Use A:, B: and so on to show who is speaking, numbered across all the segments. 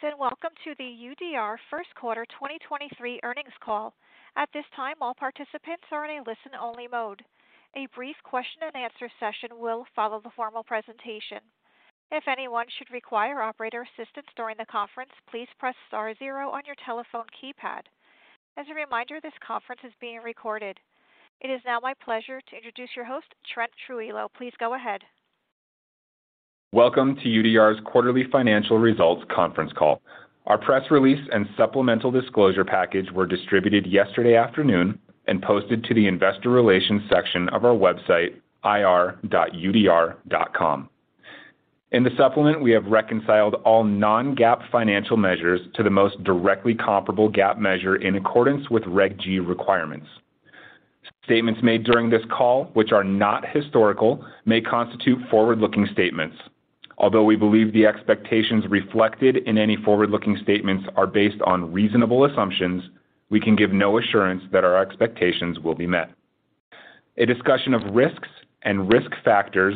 A: Thanks. Welcome to the UDR Q1 2023 earnings call. At this time, all participants are in a listen-only mode. A brief question and answer session will follow the formal presentation. If anyone should require operator assistance during the conference, please press star zero on your telephone keypad. As a reminder, this conference is being recorded. It is now my pleasure to introduce your host, Trent Trujillo. Please go ahead.
B: Welcome to UDR's quarterly financial results conference call. Our press release and supplemental disclosure package were distributed yesterday afternoon and posted to the investor relations section of our website, ir.udr.com. In the supplement, we have reconciled all non-GAAP financial measures to the most directly comparable GAAP measure in accordance with Reg G requirements. Statements made during this call, which are not historical, may constitute forward-looking statements. Although we believe the expectations reflected in any forward-looking statements are based on reasonable assumptions, we can give no assurance that our expectations will be met. A discussion of risks and risk factors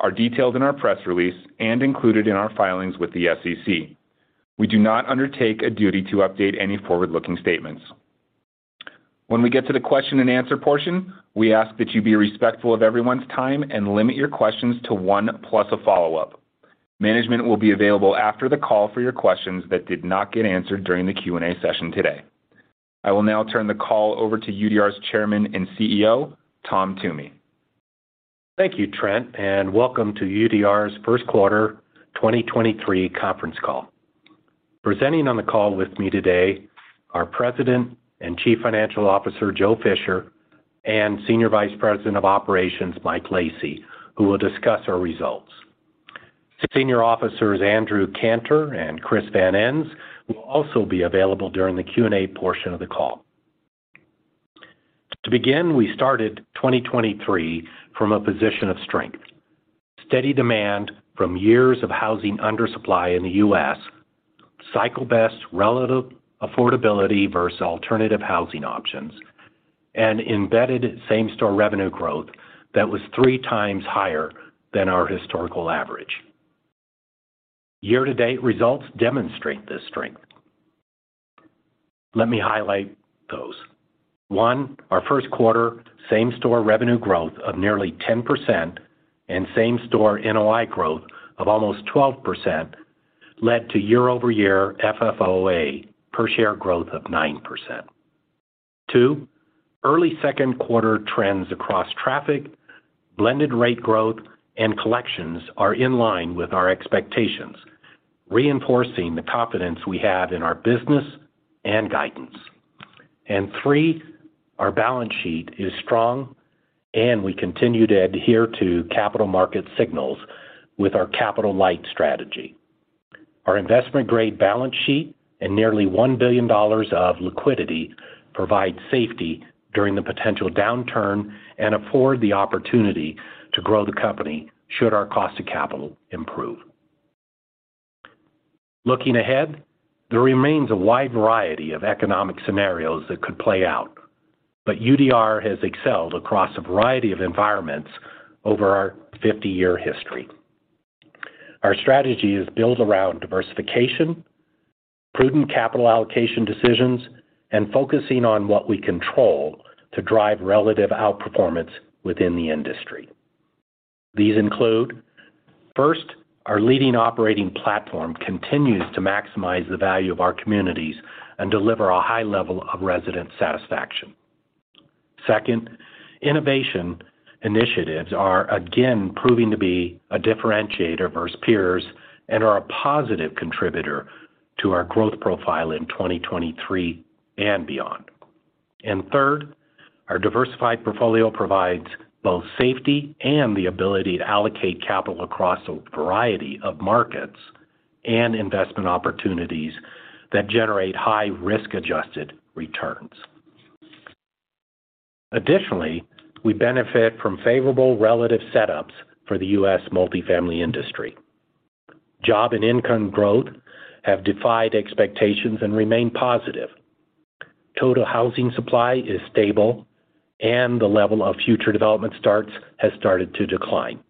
B: are detailed in our press release and included in our filings with the SEC. We do not undertake a duty to update any forward-looking statements. When we get to the question and answer portion, we ask that you be respectful of everyone's time and limit your questions to one plus a follow-up. Management will be available after the call for your questions that did not get answered during the Q&A session today. I will now turn the call over to UDR's Chairman and CEO, Tom Toomey.
C: Thank you, Trent. Welcome to UDR's Q1 2023 conference call. Presenting on the call with me today are President and Chief Financial Officer, Joe Fisher, Senior Vice President of Operations, Mike Lacy, who will discuss our results. Senior Officers Andrew Cantor and Chris Van Ens will also be available during the Q&A portion of the call. To begin, we started 2023 from a position of strength. Steady demand from years of housing undersupply in the U.S., cycle-best relative affordability versus alternative housing options, embedded same-store revenue growth that was three times higher than our historical average. Year-to-date results demonstrate this strength. Let me highlight those. One, our Q1 same-store revenue growth of nearly 10%, same-store NOI growth of almost 12% led to year-over-year FFOA per share growth of 9%. two, early Q2 trends across traffic, blended rate growth, and collections are in line with our expectations, reinforcing the confidence we have in our business and guidance. three, our balance sheet is strong, and we continue to adhere to capital market signals with our capital-light strategy. Our investment-grade balance sheet and nearly $1 billion of liquidity provide safety during the potential downturn and afford the opportunity to grow the company should our cost of capital improve. Looking ahead, there remains a wide variety of economic scenarios that could play out, UDR has excelled across a variety of environments over our 50-year history. Our strategy is built around diversification, prudent capital allocation decisions, and focusing on what we control to drive relative outperformance within the industry. These include, first, our leading operating platform continues to maximize the value of our communities and deliver a high level of resident satisfaction. Second, innovation initiatives are again proving to be a differentiator versus peers and are a positive contributor to our growth profile in 2023 and beyond. Third, our diversified portfolio provides both safety and the ability to allocate capital across a variety of markets and investment opportunities that generate high risk-adjusted returns. Additionally, we benefit from favorable relative setups for the U.S. multifamily industry. Job and income growth have defied expectations and remain positive. Total housing supply is stable, and the level of future development starts has started to decline.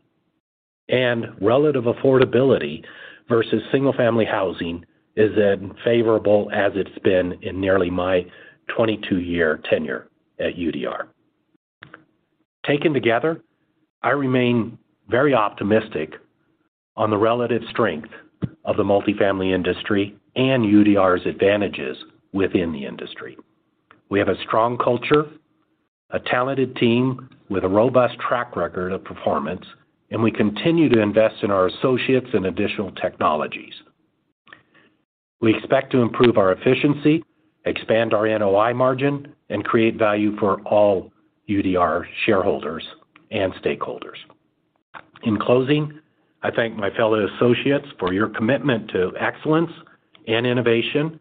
C: Relative affordability versus single-family housing is as favorable as it's been in nearly my 22-year tenure at UDR. Taken together, I remain very optimistic on the relative strength of the multifamily industry and UDR's advantages within the industry. We have a strong culture, a talented team with a robust track record of performance, and we continue to invest in our associates and additional technologies. We expect to improve our efficiency, expand our NOI margin, and create value for all UDR shareholders and stakeholders. In closing, I thank my fellow associates for your commitment to excellence and innovation,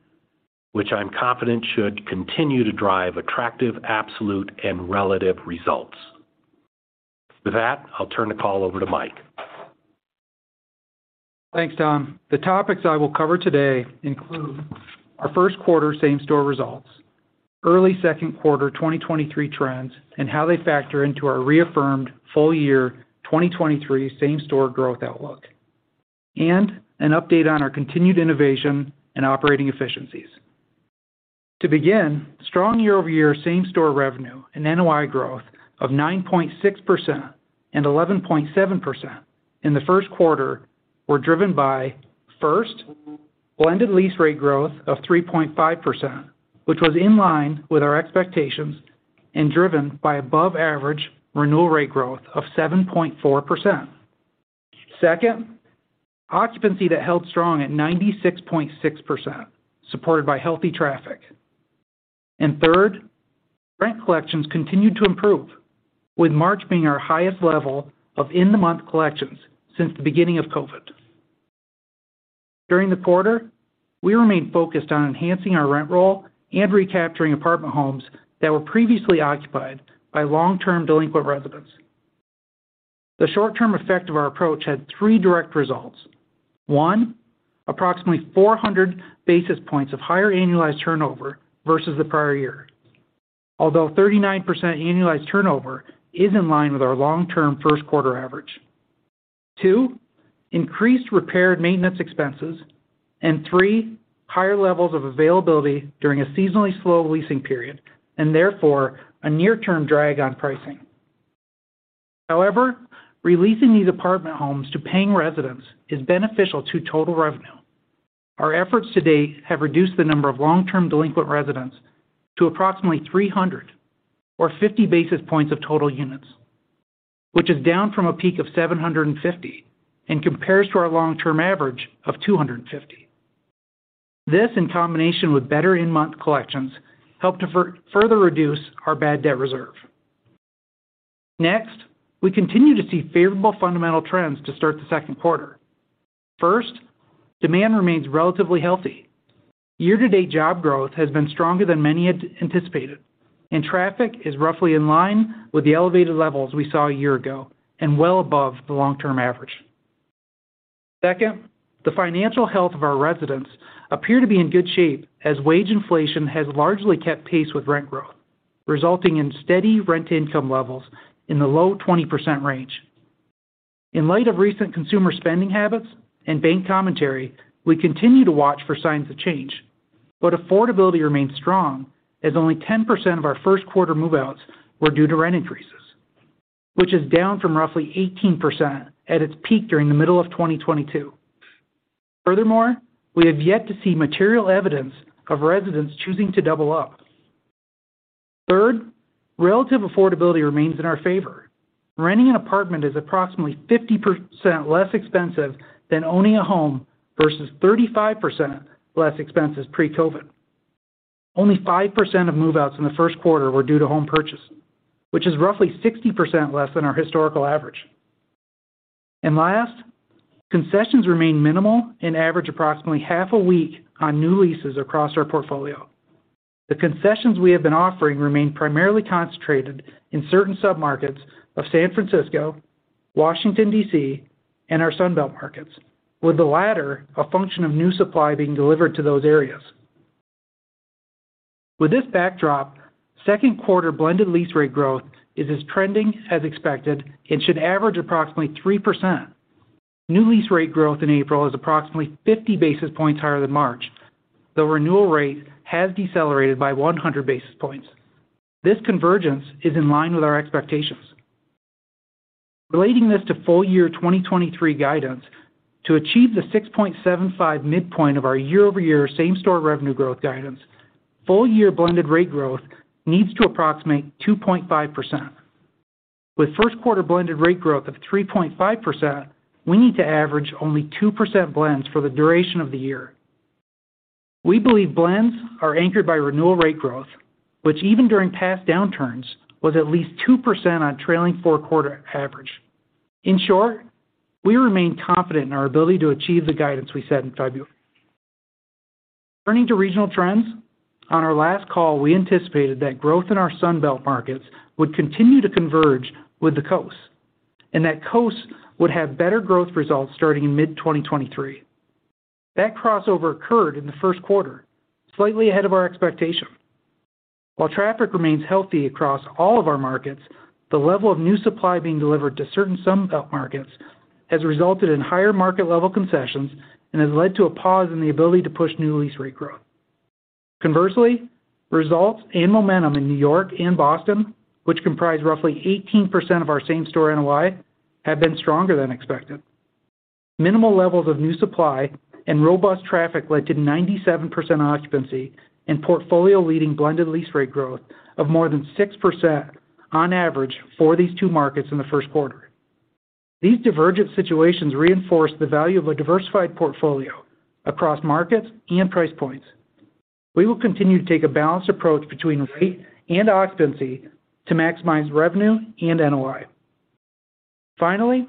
C: which I'm confident should continue to drive attractive absolute and relative results. With that, I'll turn the call over to Mike.
D: Thanks, Tom. The topics I will cover today include our Q1 same-store results. Early Q2 2023 trends and how they factor into our reaffirmed full year 2023 same-store growth outlook. An update on our continued innovation and operating efficiencies. To begin, strong year-over-year same-store revenue and NOI growth of 9.6% and 11.7% in the Q1 were driven by, first, blended lease rate growth of 3.5%, which was in line with our expectations and driven by above average renewal rate growth of 7.4%. Second, occupancy that held strong at 96.6%, supported by healthy traffic. Third, rent collections continued to improve, with March being our highest level of in-the-month collections since the beginning of COVID. During the quarter, we remained focused on enhancing our rent roll and recapturing apartment homes that were previously occupied by long-term delinquent residents. The short-term effect of our approach had three direct results. One, approximately 400 basis points of higher annualized turnover versus the prior year. Although 39% annualized turnover is in line with our long-term Q1 average. Two, increased Repair and Maintenance expenses. Three, higher levels of availability during a seasonally slow leasing period, and therefore, a near-term drag on pricing. However, releasing these apartment homes to paying residents is beneficial to total revenue. Our efforts to date have reduced the number of long-term delinquent residents to approximately 300 or 50 basis points of total units, which is down from a peak of 750 and compares to our long-term average of 250. This, in combination with better in-month collections, helped to further reduce our bad debt reserve. Next, we continue to see favorable fundamental trends to start the Q2. First, demand remains relatively healthy. Year-to-date job growth has been stronger than many had anticipated, and traffic is roughly in line with the elevated levels we saw a year ago and well above the long-term average. Second, the financial health of our residents appear to be in good shape as wage inflation has largely kept pace with rent growth, resulting in steady rent income levels in the low 20% range. In light of recent consumer spending habits and bank commentary, we continue to watch for signs of change, but affordability remains strong as only 10% of our Q1 move-outs were due to rent increases, which is down from roughly 18% at its peak during the middle of 2022. Furthermore, we have yet to see material evidence of residents choosing to double up. Third, relative affordability remains in our favor. Renting an apartment is approximately 50% less expensive than owning a home versus 35% less expensive pre-COVID. Only 5% of move-outs in the Q1 were due to home purchase, which is roughly 60% less than our historical average. Last, concessions remain minimal and average approximately half a week on new leases across our portfolio. The concessions we have been offering remain primarily concentrated in certain submarkets of San Francisco, Washington, DC, and our Sun Belt markets. With the latter a function of new supply being delivered to those areas. With this backdrop, Q2 blended lease rate growth is as trending as expected and should average approximately 3%. New lease rate growth in April is approximately 50 basis points higher than March, though renewal rate has decelerated by 100 basis points. This convergence is in line with our expectations. Relating this to full year 2023 guidance, to achieve the 6.75 midpoint of our year-over-year same-store revenue growth guidance, full year blended rate growth needs to approximate 2.5%. With Q1 blended rate growth of 3.5%, we need to average only 2% blends for the duration of the year. We believe blends are anchored by renewal rate growth, which even during past downturns, was at least 2% on trailing four quarter average. In short, we remain confident in our ability to achieve the guidance we set in February. Turning to regional trends, on our last call, we anticipated that growth in our Sun Belt markets would continue to converge with the coast, and that coast would have better growth results starting in mid 2023. That crossover occurred in the Q1, slightly ahead of our expectation. While traffic remains healthy across all of our markets, the level of new supply being delivered to certain Sun Belt markets has resulted in higher market level concessions and has led to a pause in the ability to push new lease rate growth. Conversely, results and momentum in New York and Boston, which comprise roughly 18% of our same store NOI, have been stronger than expected. Minimal levels of new supply and robust traffic led to 97% occupancy and portfolio-leading blended lease rate growth of more than 6% on average for these two markets in the Q1. These divergent situations reinforce the value of a diversified portfolio across markets and price points. We will continue to take a balanced approach between rate and occupancy to maximize revenue and NOI. Finally,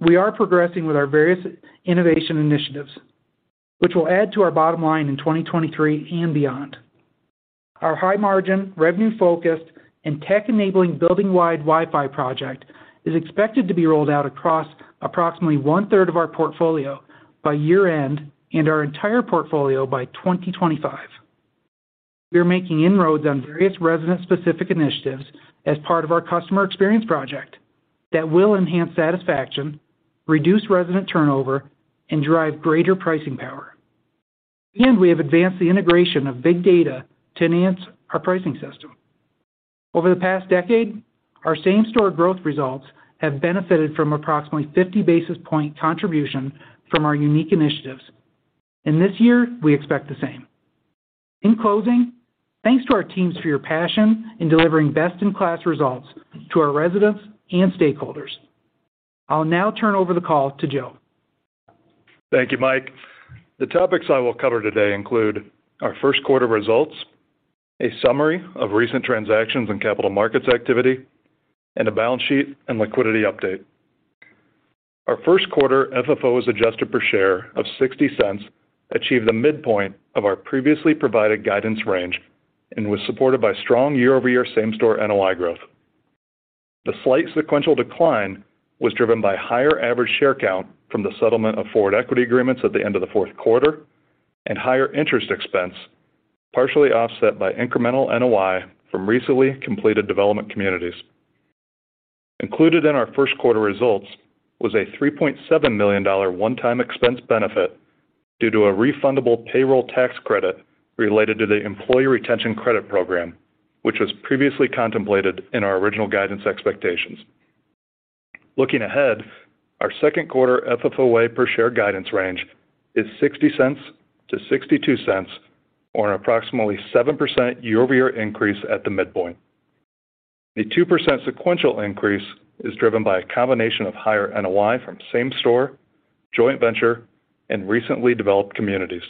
D: we are progressing with our various innovation initiatives, which will add to our bottom line in 2023 and beyond. Our high margin, revenue-focused, and tech-enabling building-wide Wi-Fi project is expected to be rolled out across approximately one-third of our portfolio by year-end and our entire portfolio by 2025. We are making inroads on various resident specific initiatives as part of our customer experience project that will enhance satisfaction, reduce resident turnover, and drive greater pricing power. We have advanced the integration of big data to enhance our pricing system. Over the past decade, our same-store growth results have benefited from approximately 50 basis point contribution from our unique initiatives. This year, we expect the same. In closing, thanks to our teams for your passion in delivering best in class results to our residents and stakeholders. I'll now turn over the call to Joe.
E: Thank you, Mike. The topics I will cover today include our Q1 results, a summary of recent transactions and capital markets activity, and a balance sheet and liquidity update. Our Q1 FFOs Adjusted per share of $0.60 achieved the midpoint of our previously provided guidance range and was supported by strong year-over-year same-store NOI growth. The slight sequential decline was driven by higher average share count from the settlement of forward equity agreements at the end of the Q4 and higher interest expense, partially offset by incremental NOI from recently completed development communities. Included in our Q1 results was a $3.7 million one-time expense benefit due to a refundable payroll tax credit related to the Employee Retention Credit program, which was previously contemplated in our original guidance expectations. Looking ahead, our Q2 FFOA per share guidance range is $0.60-$0.62, or approximately 7% year-over-year increase at the midpoint. A 2% sequential increase is driven by a combination of higher NOI from same store, joint venture, and recently developed communities.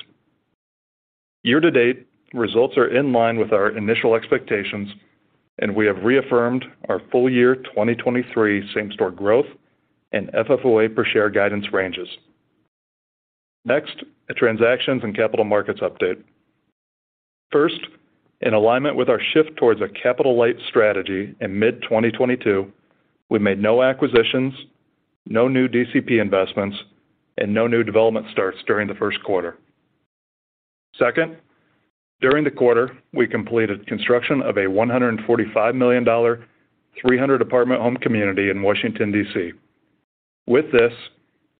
E: Year to date, results are in line with our initial expectations, and we have reaffirmed our full year 2023 same-store growth and FFOA per share guidance ranges. A transactions and capital markets update. In alignment with our shift towards a capital-light strategy in mid-2022, we made no acquisitions, no new DCP investments, and no new development starts during the Q1. During the quarter, we completed construction of a $145 million, 300 apartment home community in Washington, D.C. With this,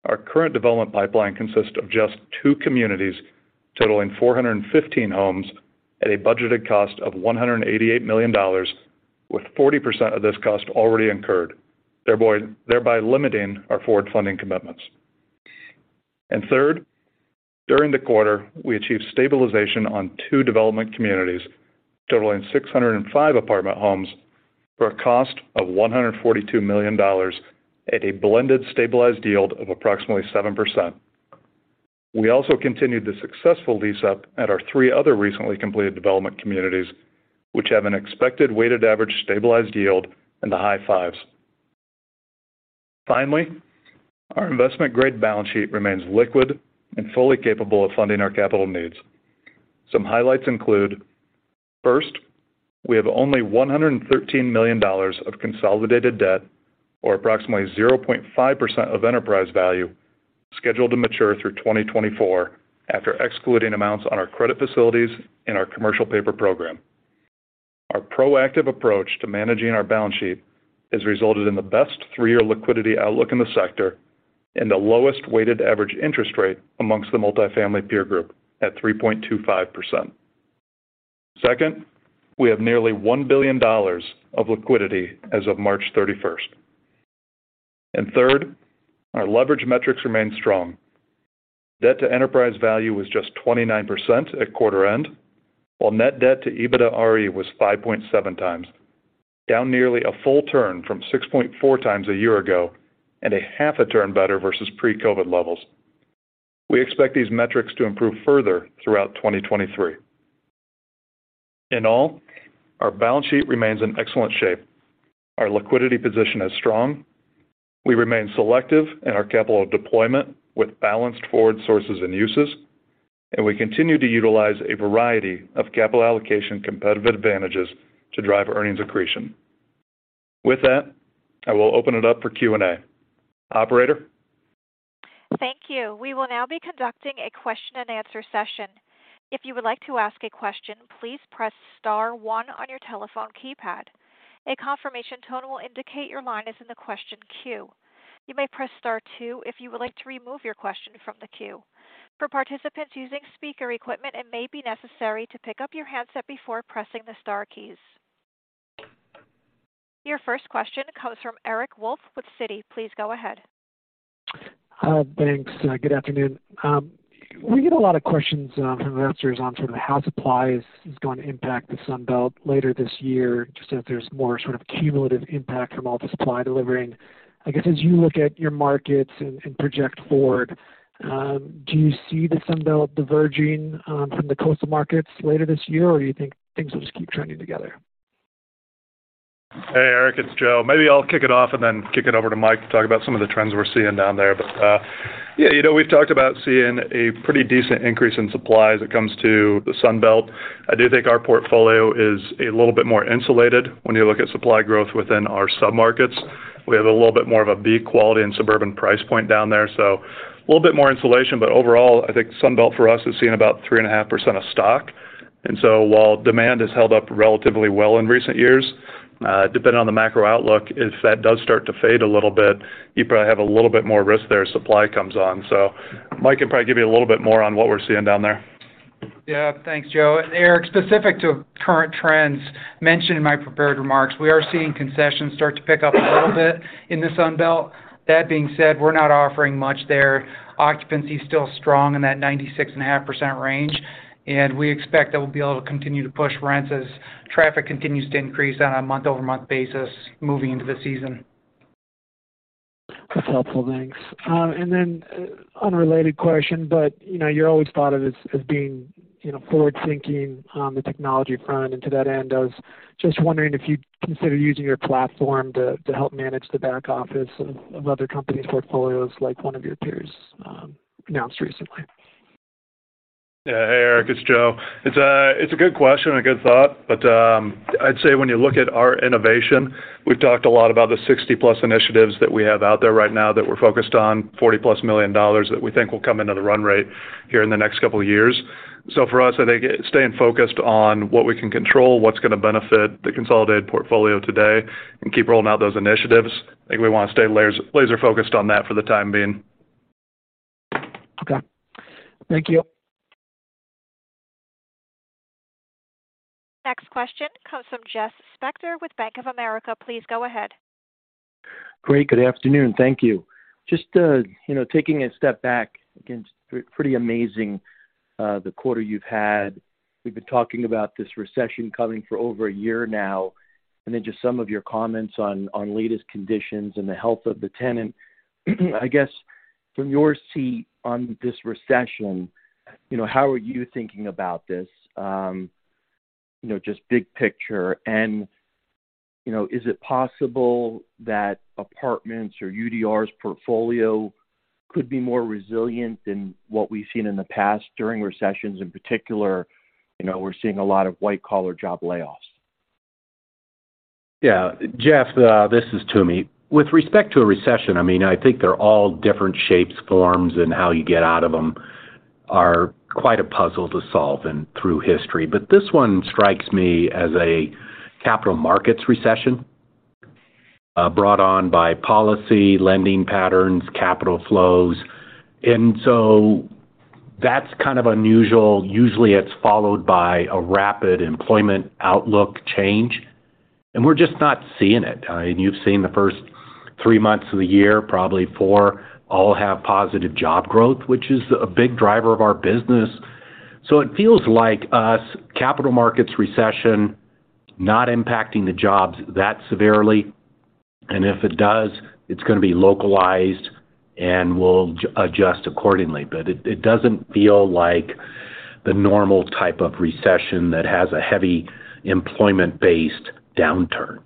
E: our current development pipeline consists of just two communities totaling 415 homes at a budgeted cost of $188 million, with 40% of this cost already incurred, thereby limiting our forward funding commitments. Third, during the quarter, we achieved stabilization on two development communities totaling 605 apartment homes for a cost of $142 million at a blended stabilized yield of approximately 7%. We also continued the successful lease up at our three other recently completed development communities, which have an expected weighted average stabilized yield in the high fives. Finally, our investment grade balance sheet remains liquid and fully capable of funding our capital needs. Some highlights include, first, we have only $113 million of consolidated debt, or approximately 0.5% of enterprise value, scheduled to mature through 2024 after excluding amounts on our credit facilities in our commercial paper program. Our proactive approach to managing our balance sheet has resulted in the best three-year liquidity outlook in the sector and the lowest weighted average interest rate amongst the multifamily peer group at 3.25%. Second, we have nearly $1 billion of liquidity as of March 31st. Third, our leverage metrics remain strong. Debt to enterprise value was just 29% at quarter end, while net debt to EBITDARE was 5.7 times, down nearly a full turn from 6.4 times a year ago and a half a turn better versus pre-COVID levels. We expect these metrics to improve further throughout 2023. In all, our balance sheet remains in excellent shape. Our liquidity position is strong. We remain selective in our capital deployment with balanced forward sources and uses, and we continue to utilize a variety of capital allocation competitive advantages to drive earnings accretion. With that, I will open it up for Q&A. Operator?
A: Thank you. We will now be conducting a question and answer session. If you would like to ask a question, please press star 1 on your telephone keypad. A confirmation tone will indicate your line is in the question queue. You may press star 2 if you would like to remove your question from the queue. For participants using speaker equipment, it may be necessary to pick up your handset before pressing the star keys. Your first question comes from Eric Wolfe with Citi. Please go ahead.
F: Thanks. Good afternoon. We get a lot of questions from investors on sort of how supplies is going to impact the Sun Belt later this year, just if there's more sort of cumulative impact from all the supply delivering. I guess, as you look at your markets and project forward, do you see the Sun Belt diverging from the coastal markets later this year? You think things will just keep trending together?
E: Hey, Eric, it's Joe. Maybe I'll kick it off and then kick it over to Mike to talk about some of the trends we're seeing down there. Yeah, you know, we've talked about seeing a pretty decent increase in supply as it comes to the Sun Belt. I do think our portfolio is a little bit more insulated when you look at supply growth within our submarkets. We have a little bit more of a B quality and suburban price point down there, so a little bit more insulation. Overall, I think Sun Belt for us is seeing about 3.5% of stock. While demand has held up relatively well in recent years, depending on the macro outlook, if that does start to fade a little bit, you probably have a little bit more risk there as supply comes on. Mike can probably give you a little bit more on what we're seeing down there.
D: Yeah. Thanks, Joe. Eric, specific to current trends, mentioned in my prepared remarks, we are seeing concessions start to pick up a little bit in the Sunbelt. That being said, we're not offering much there. Occupancy is still strong in that 96.5% range. We expect that we'll be able to continue to push rents as traffic continues to increase on a month-over-month basis moving into the season.
F: That's helpful. Thanks. Unrelated question, but, you know, you're always thought of as being, you know, forward-thinking on the technology front. To that end, I was just wondering if you'd consider using your platform to help manage the back office of other companies' portfolios like one of your peers, announced recently.
E: Yeah. Hey, Eric, it's Joe. It's a good question and a good thought, I'd say when you look at our innovation, we've talked a lot about the 60+ initiatives that we have out there right now that we're focused on, $40+ million that we think will come into the run rate here in the next 2 years. For us, I think staying focused on what we can control, what's gonna benefit the consolidated portfolio today, and keep rolling out those initiatives, I think we wanna stay laser-focused on that for the time being.
F: Okay. Thank you.
A: Next question comes from Jeff Spector with Bank of America. Please go ahead.
G: Great. Good afternoon. Thank you. Just to, you know, taking a step back, again, it's pretty amazing, the quarter you've had. We've been talking about this recession coming for over a year now, and then just some of your comments on latest conditions and the health of the tenant. I guess from your seat on this recession, you know, how are you thinking about this, you know, just big picture? You know, is it possible that apartments or UDR's portfolio could be more resilient than what we've seen in the past during recessions in particular, you know, we're seeing a lot of white-collar job layoffs.
C: Yeah. Jeff, this is Tom. With respect to a recession, I mean, I think they're all different shapes, forms, and how you get out of them are quite a puzzle to solve and through history. This one strikes me as a capital markets recession, brought on by policy, lending patterns, capital flows. That's kind of unusual. Usually, it's followed by a rapid employment outlook change, and we're just not seeing it. I mean, you've seen the first three months of the year, probably four, all have positive job growth, which is a big driver of our business. It feels like a capital markets recession not impacting the jobs that severely, and if it does, it's gonna be localized, and we'll adjust accordingly. It, it doesn't feel like the normal type of recession that has a heavy employment-based downturn.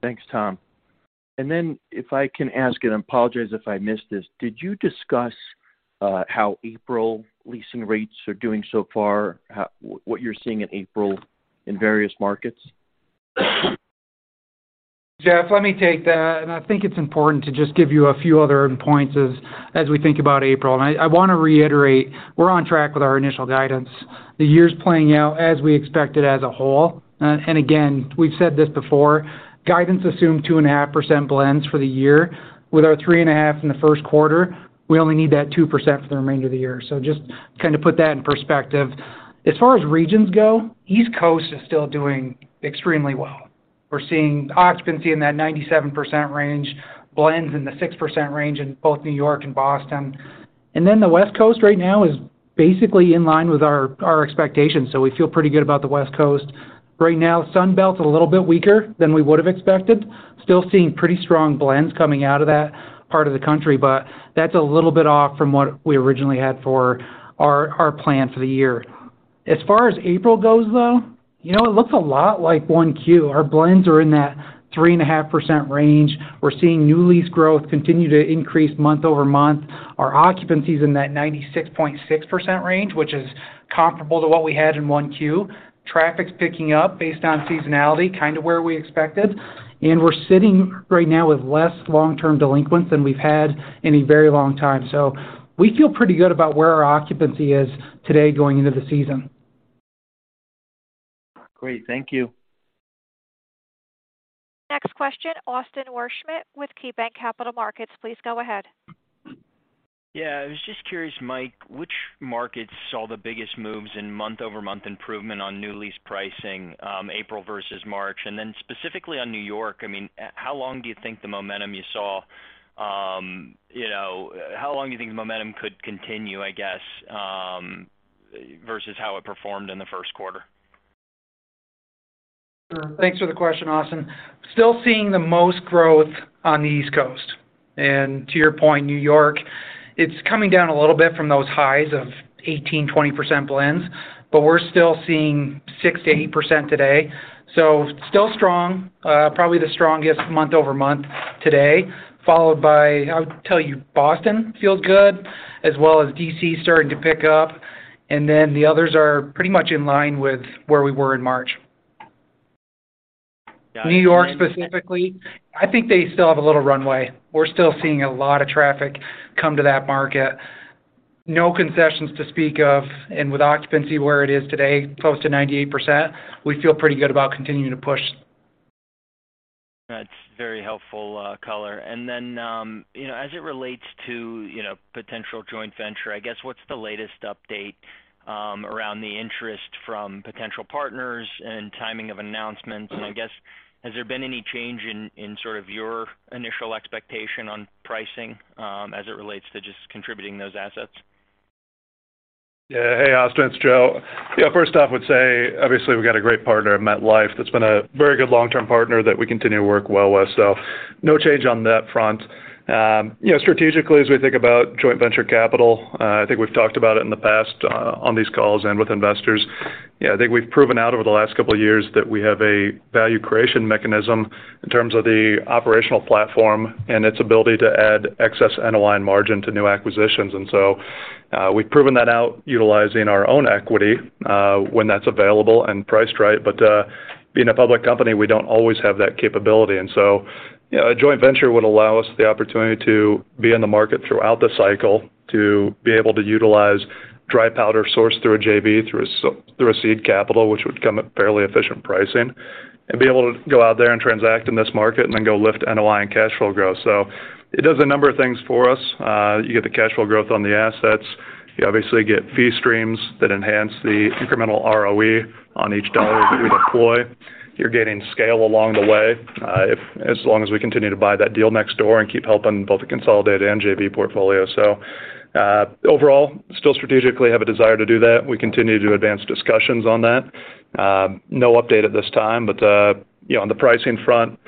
G: Thanks, Tom. If I can ask, and I apologize if I missed this, did you discuss how April leasing rates are doing so far, what you're seeing in April in various markets?
D: Jeff, let me take that. I think it's important to just give you a few other points as we think about April. I wanna reiterate, we're on track with our initial guidance. The year's playing out as we expected as a whole. Again, we've said this before, guidance assumed 2.5% blends for the year. With our 3.5 in the Q1, we only need that 2% for the remainder of the year. Just to kind of put that in perspective. As far as regions go, East Coast is still doing extremely well. We're seeing occupancy in that 97% range, blends in the 6% range in both New York and Boston. The West Coast right now is basically in line with our expectations. So we feel pretty good about the West Coast. Right now, Sunbelt's a little bit weaker than we would've expected. Still seeing pretty strong blends coming out of that part of the country, but that's a little bit off from what we originally had for our plan for the year. As far as April goes, though, you know, it looks a lot like 1Q. Our blends are in that 3.5% range. We're seeing new lease growth continue to increase month-over-month. Our occupancy's in that 96.6% range, which is comparable to what we had in 1Q. Traffic's picking up based on seasonality, kind of where we expected. We're sitting right now with less long-term delinquents than we've had in a very long time. We feel pretty good about where our occupancy is today going into the season.
G: Great. Thank you.
A: Next question, Austin Wurschmidt with KeyBanc Capital Markets. Please go ahead.
H: Yeah. I was just curious, Mike, which markets saw the biggest moves in month-over-month improvement on new lease pricing, April versus March? Specifically on New York, I mean, how long do you think the momentum you saw, you know, how long do you think the momentum could continue, I guess, versus how it performed in the Q1?
D: Sure. Thanks for the question, Austin. Still seeing the most growth on the East Coast. To your point, New York, it's coming down a little bit from those highs of 18%, 20% blends, but we're still seeing 6%-8% today. Still strong, probably the strongest month-over-month today, followed by, I would tell you, Boston feels good, as well as D.C. starting to pick up, and then the others are pretty much in line with where we were in March. New York specifically, I think they still have a little runway. We're still seeing a lot of traffic come to that market. No concessions to speak of, and with occupancy where it is today, close to 98%, we feel pretty good about continuing to push.
H: That's very helpful, color. Then, you know, as it relates to, you know, potential joint venture, I guess what's the latest update, around the interest from potential partners and timing of announcements? I guess, has there been any change in sort of your initial expectation on pricing, as it relates to just contributing those assets?
E: Hey, Austin, it's Joe. First off, I would say, obviously, we've got a great partner in MetLife that's been a very good long-term partner that we continue to work well with. No change on that front. You know, strategically, as we think about joint venture capital, I think we've talked about it in the past, on these calls and with investors. I think we've proven out over the last couple of years that we have a value creation mechanism in terms of the operational platform and its ability to add excess NOI and margin to new acquisitions. We've proven that out utilizing our own equity, when that's available and priced right. Being a public company, we don't always have that capability. You know, a joint venture would allow us the opportunity to be in the market throughout the cycle, to be able to utilize dry powder sourced through a JV, through a seed capital, which would come at fairly efficient pricing, and be able to go out there and transact in this market and then go lift NOI and cash flow growth. It does a number of things for us. You get the cash flow growth on the assets. You obviously get fee streams that enhance the incremental ROE on each dollar that we deploy. You're gaining scale along the way, as long as we continue to buy that deal next door and keep helping both the consolidated and JV portfolio. Overall, still strategically have a desire to do that. We continue to advance discussions on that. No update at this time. You know, on the pricing front,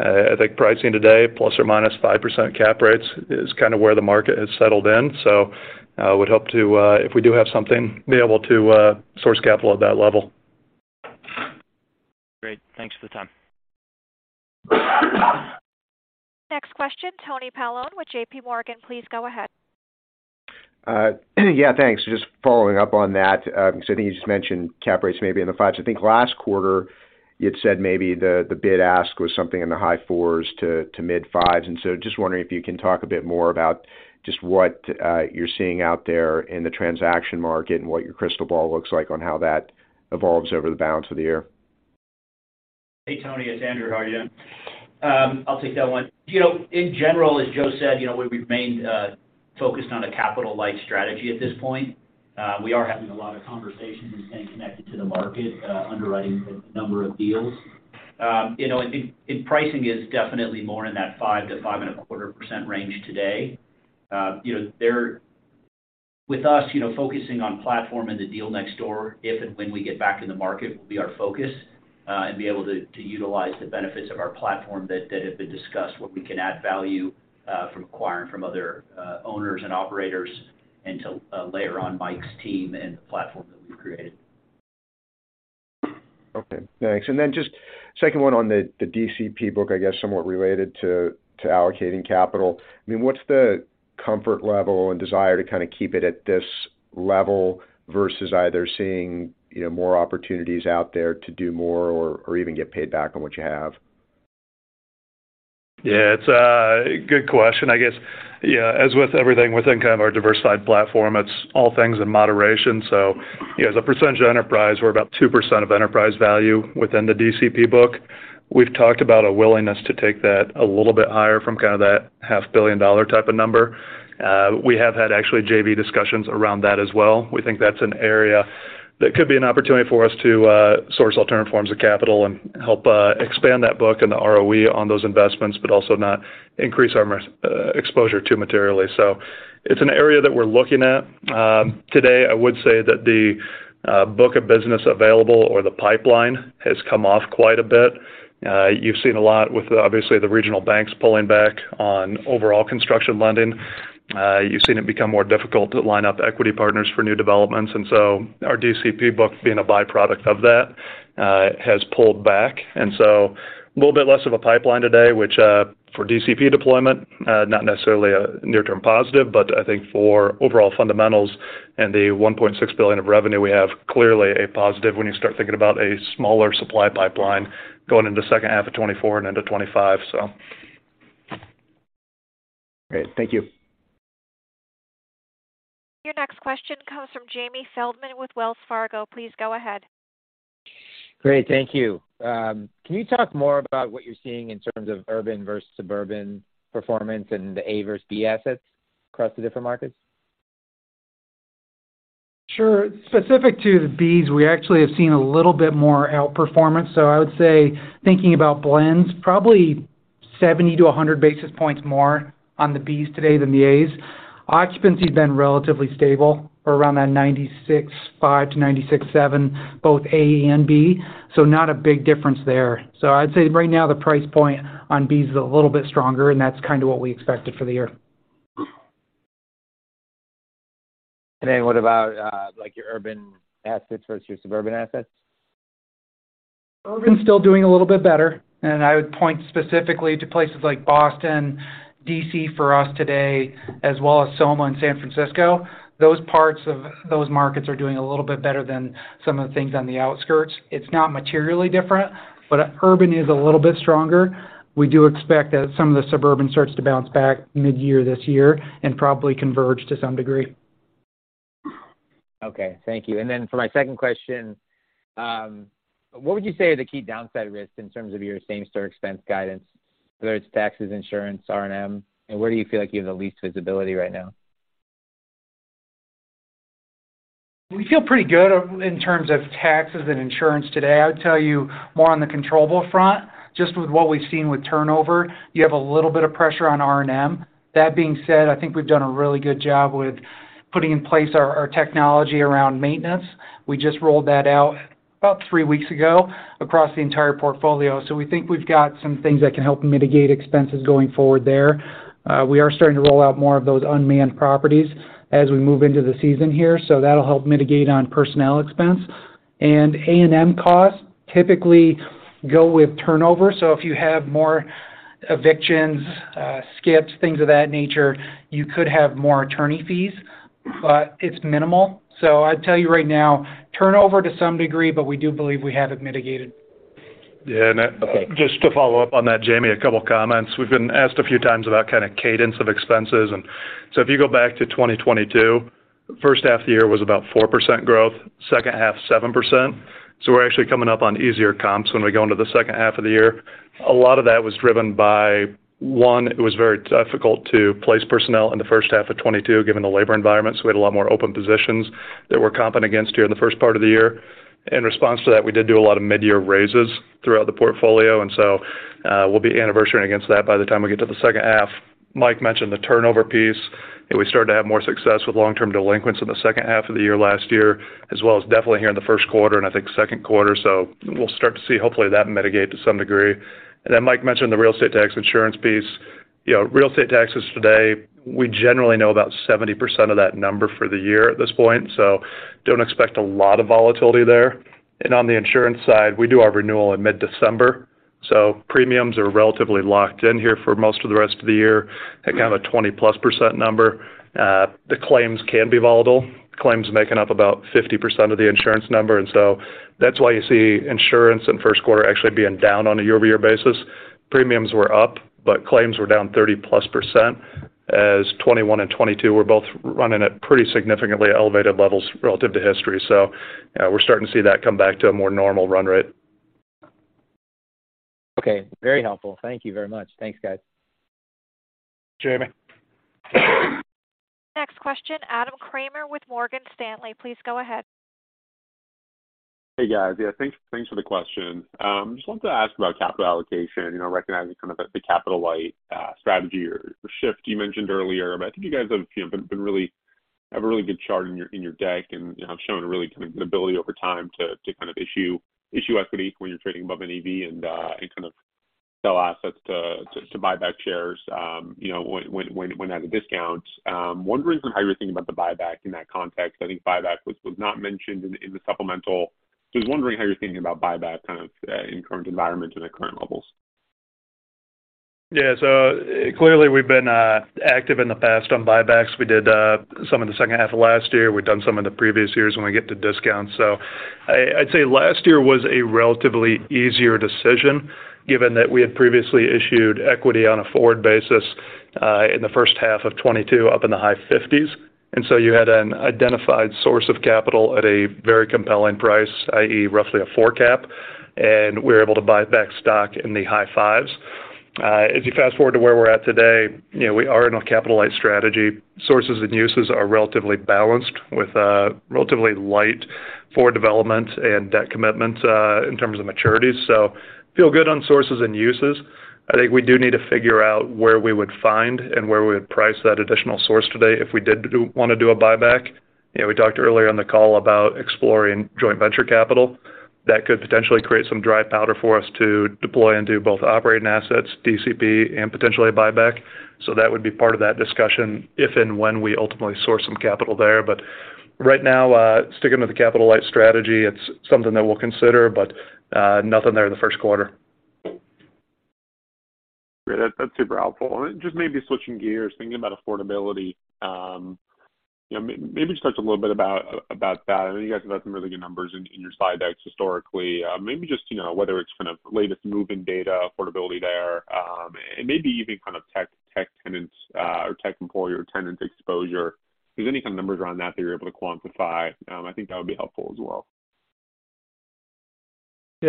E: I think pricing today, ±5% cap rates is kind of where the market has settled in. Would hope to, if we do have something, be able to, source capital at that level.
H: Great. Thanks for the time.
A: Next question, Anthony Paolone with JPMorgan Chase. Please go ahead.
I: Yeah, thanks. Just following up on that, 'cause I think you just mentioned cap rates maybe in the 5s. I think last quarter you had said maybe the bid ask was something in the high 4s to mid 5s. Just wondering if you can talk a bit more about just what you're seeing out there in the transaction market and what your crystal ball looks like on how that evolves over the balance of the year.
J: Hey, Tony, it's Andrew. How are you? I'll take that one. You know, in general, as Joe said, you know, we've remained focused on a capital light strategy at this point. We are having a lot of conversations and staying connected to the market, underwriting a number of deals. You know, I think in pricing is definitely more in that 5-5.25% range today. You know, with us, you know, focusing on platform and the deal next door, if and when we get back in the market will be our focus, and be able to utilize the benefits of our platform that have been discussed, where we can add value from acquiring from other owners and operators and to layer on Mike's team and the platform that we've created.
I: Okay, thanks. Then just second one on the DCP book, I guess, somewhat related to allocating capital. I mean, what's the comfort level and desire to kind of keep it at this level versus either seeing, you know, more opportunities out there to do more or even get paid back on what you have?
E: It's a good question. I guess, as with everything within kind of our diversified platform, it's all things in moderation. You know, as a percentage of enterprise, we're about 2% of enterprise value within the DCP book. We've talked about a willingness to take that a little bit higher from kind of that half billion-dollar type of number. We have had actually JV discussions around that as well. We think that's an area that could be an opportunity for us to source alternate forms of capital and help expand that book and the ROE on those investments, but also not increase our exposure to materially. It's an area that we're looking at. Today I would say that the book of business available or the pipeline has come off quite a bit. You've seen a lot with obviously the regional banks pulling back on overall construction lending. You've seen it become more difficult to line up equity partners for new developments. Our DCP book being a byproduct of that, has pulled back. A little bit less of a pipeline today, which, for DCP deployment, not necessarily a near-term positive, but I think for overall fundamentals and the $1.6 billion of revenue, we have clearly a positive when you start thinking about a smaller supply pipeline going into second half of 2024 and into 2025.
I: Great. Thank you.
A: Your next question comes from Jamie Feldman with Wells Fargo. Please go ahead.
K: Great. Thank you. Can you talk more about what you're seeing in terms of urban versus suburban performance and the A versus B assets across the different markets?
J: Sure. Specific to the Bs, we actually have seen a little bit more outperformance. I would say thinking about blends, probably 70 to 100 basis points more on the Bs today than the As. Occupancy has been relatively stable for around that 96.5%-96.7%, both A and B, not a big difference there. I'd say right now the price point on Bs is a little bit stronger, and that's kind of what we expected for the year.
K: What about, like your urban assets versus your suburban assets?
D: Urban's still doing a little bit better, and I would point specifically to places like Boston, D.C. for us today, as well as Soma in San Francisco. Those parts of those markets are doing a little bit better than some of the things on the outskirts. It's not materially different, but urban is a little bit stronger. We do expect that some of the suburban starts to bounce back midyear this year and probably converge to some degree.
K: Okay. Thank you. For my second question, what would you say are the key downside risks in terms of your same-store expense guidance, whether it's taxes, insurance, R&M, and where do you feel like you have the least visibility right now?
D: We feel pretty good in terms of taxes and insurance today. I would tell you more on the controllable front, just with what we've seen with turnover, you have a little bit of pressure on R&M. That being said, I think we've done a really good job with putting in place our technology around maintenance. We just rolled that out about three weeks ago across the entire portfolio. We think we've got some things that can help mitigate expenses going forward there. We are starting to roll out more of those unmanned properties as we move into the season here, so that'll help mitigate on personnel expense. A&M costs typically go with turnover. If you have more evictions, skips, things of that nature, you could have more attorney fees, but it's minimal. I'd tell you right now, turnover to some degree, but we do believe we have it mitigated.
E: Just to follow up on that, Jamie, a couple of comments. We've been asked a few times about kind of cadence of expenses. If you go back to 2022, first half of the year was about 4% growth, second half, 7%. We're actually coming up on easier comps when we go into the second half of the year. A lot of that was driven by, one, it was very difficult to place personnel in the first half of 22 given the labor environment. We had a lot more open positions that we're comping against here in the first part of the year. In response to that, we did do a lot of mid-year raises throughout the portfolio, we'll be anniversarying against that by the time we get to the second half. Mike mentioned the turnover piece, and we started to have more success with long-term delinquents in the second half of the year last year, as well as definitely here in the Q1 and I think Q2. We'll start to see hopefully that mitigate to some degree. Mike mentioned the real estate tax insurance piece. You know, real estate taxes today, we generally know about 70% of that number for the year at this point, so don't expect a lot of volatility there. On the insurance side, we do our renewal in mid-December, so premiums are relatively locked in here for most of the rest of the year at kind of a 20%+ number. The claims can be volatile. Claims making up about 50% of the insurance number. That's why you see insurance in Q1 actually being down on a year-over-year basis. Premiums were up, but claims were down 30%+ as 2021 and 2022 were both running at pretty significantly elevated levels relative to history. We're starting to see that come back to a more normal run rate.
K: Okay. Very helpful. Thank you very much. Thanks, guys.
E: Jamie.
A: Next question, Adam Kramer with Morgan Stanley. Please go ahead.
L: Hey, guys. Yeah, thanks for the question. Just wanted to ask about capital allocation, you know, recognizing kind of the capital light strategy or shift you mentioned earlier. I think you guys have, you know, have a really good chart in your, in your deck, and, you know, have shown a really kind of an ability over time to kind of issue equity when you're trading above an EV and kind of sell assets to buy back shares, you know, when at a discount. Wondering kind of how you're thinking about the buyback in that context. I think buyback was not mentioned in the supplemental. Just wondering how you're thinking about buyback kind of in current environment and at current levels.
E: Clearly we've been active in the past on buybacks. We did some in the second half of last year. We've done some in the previous years when we get to discounts. I'd say last year was a relatively easier decision given that we had previously issued equity on a forward basis in the first half of 2022 up in the high 50s. You had an identified source of capital at a very compelling price, i.e., roughly a 4 cap, and we're able to buy back stock in the high 5s. As you fast-forward to where we're at today, you know, we are in a capital light strategy. Sources and uses are relatively balanced with a relatively light for development and debt commitments in terms of maturities. Feel good on sources and uses. I think we do need to figure out where we would find and where we would price that additional source today if we want to do a buyback. You know, we talked earlier on the call about exploring joint venture capital. That could potentially create some dry powder for us to deploy into both operating assets, DCP, and potentially a buyback. That would be part of that discussion if and when we ultimately source some capital there. Right now, sticking with the capital light strategy, it's something that we'll consider, but nothing there in the Q1.
L: Great. That's super helpful. Just maybe switching gears, thinking about affordability, you know, maybe just talk a little bit about that. I know you guys have had some really good numbers in your slide decks historically. Maybe just, you know, whether it's kind of latest move-in data, affordability there, and maybe even kind of tech tenants, or tech employer tenant exposure. If there's any kind of numbers around that that you're able to quantify, I think that would be helpful as well.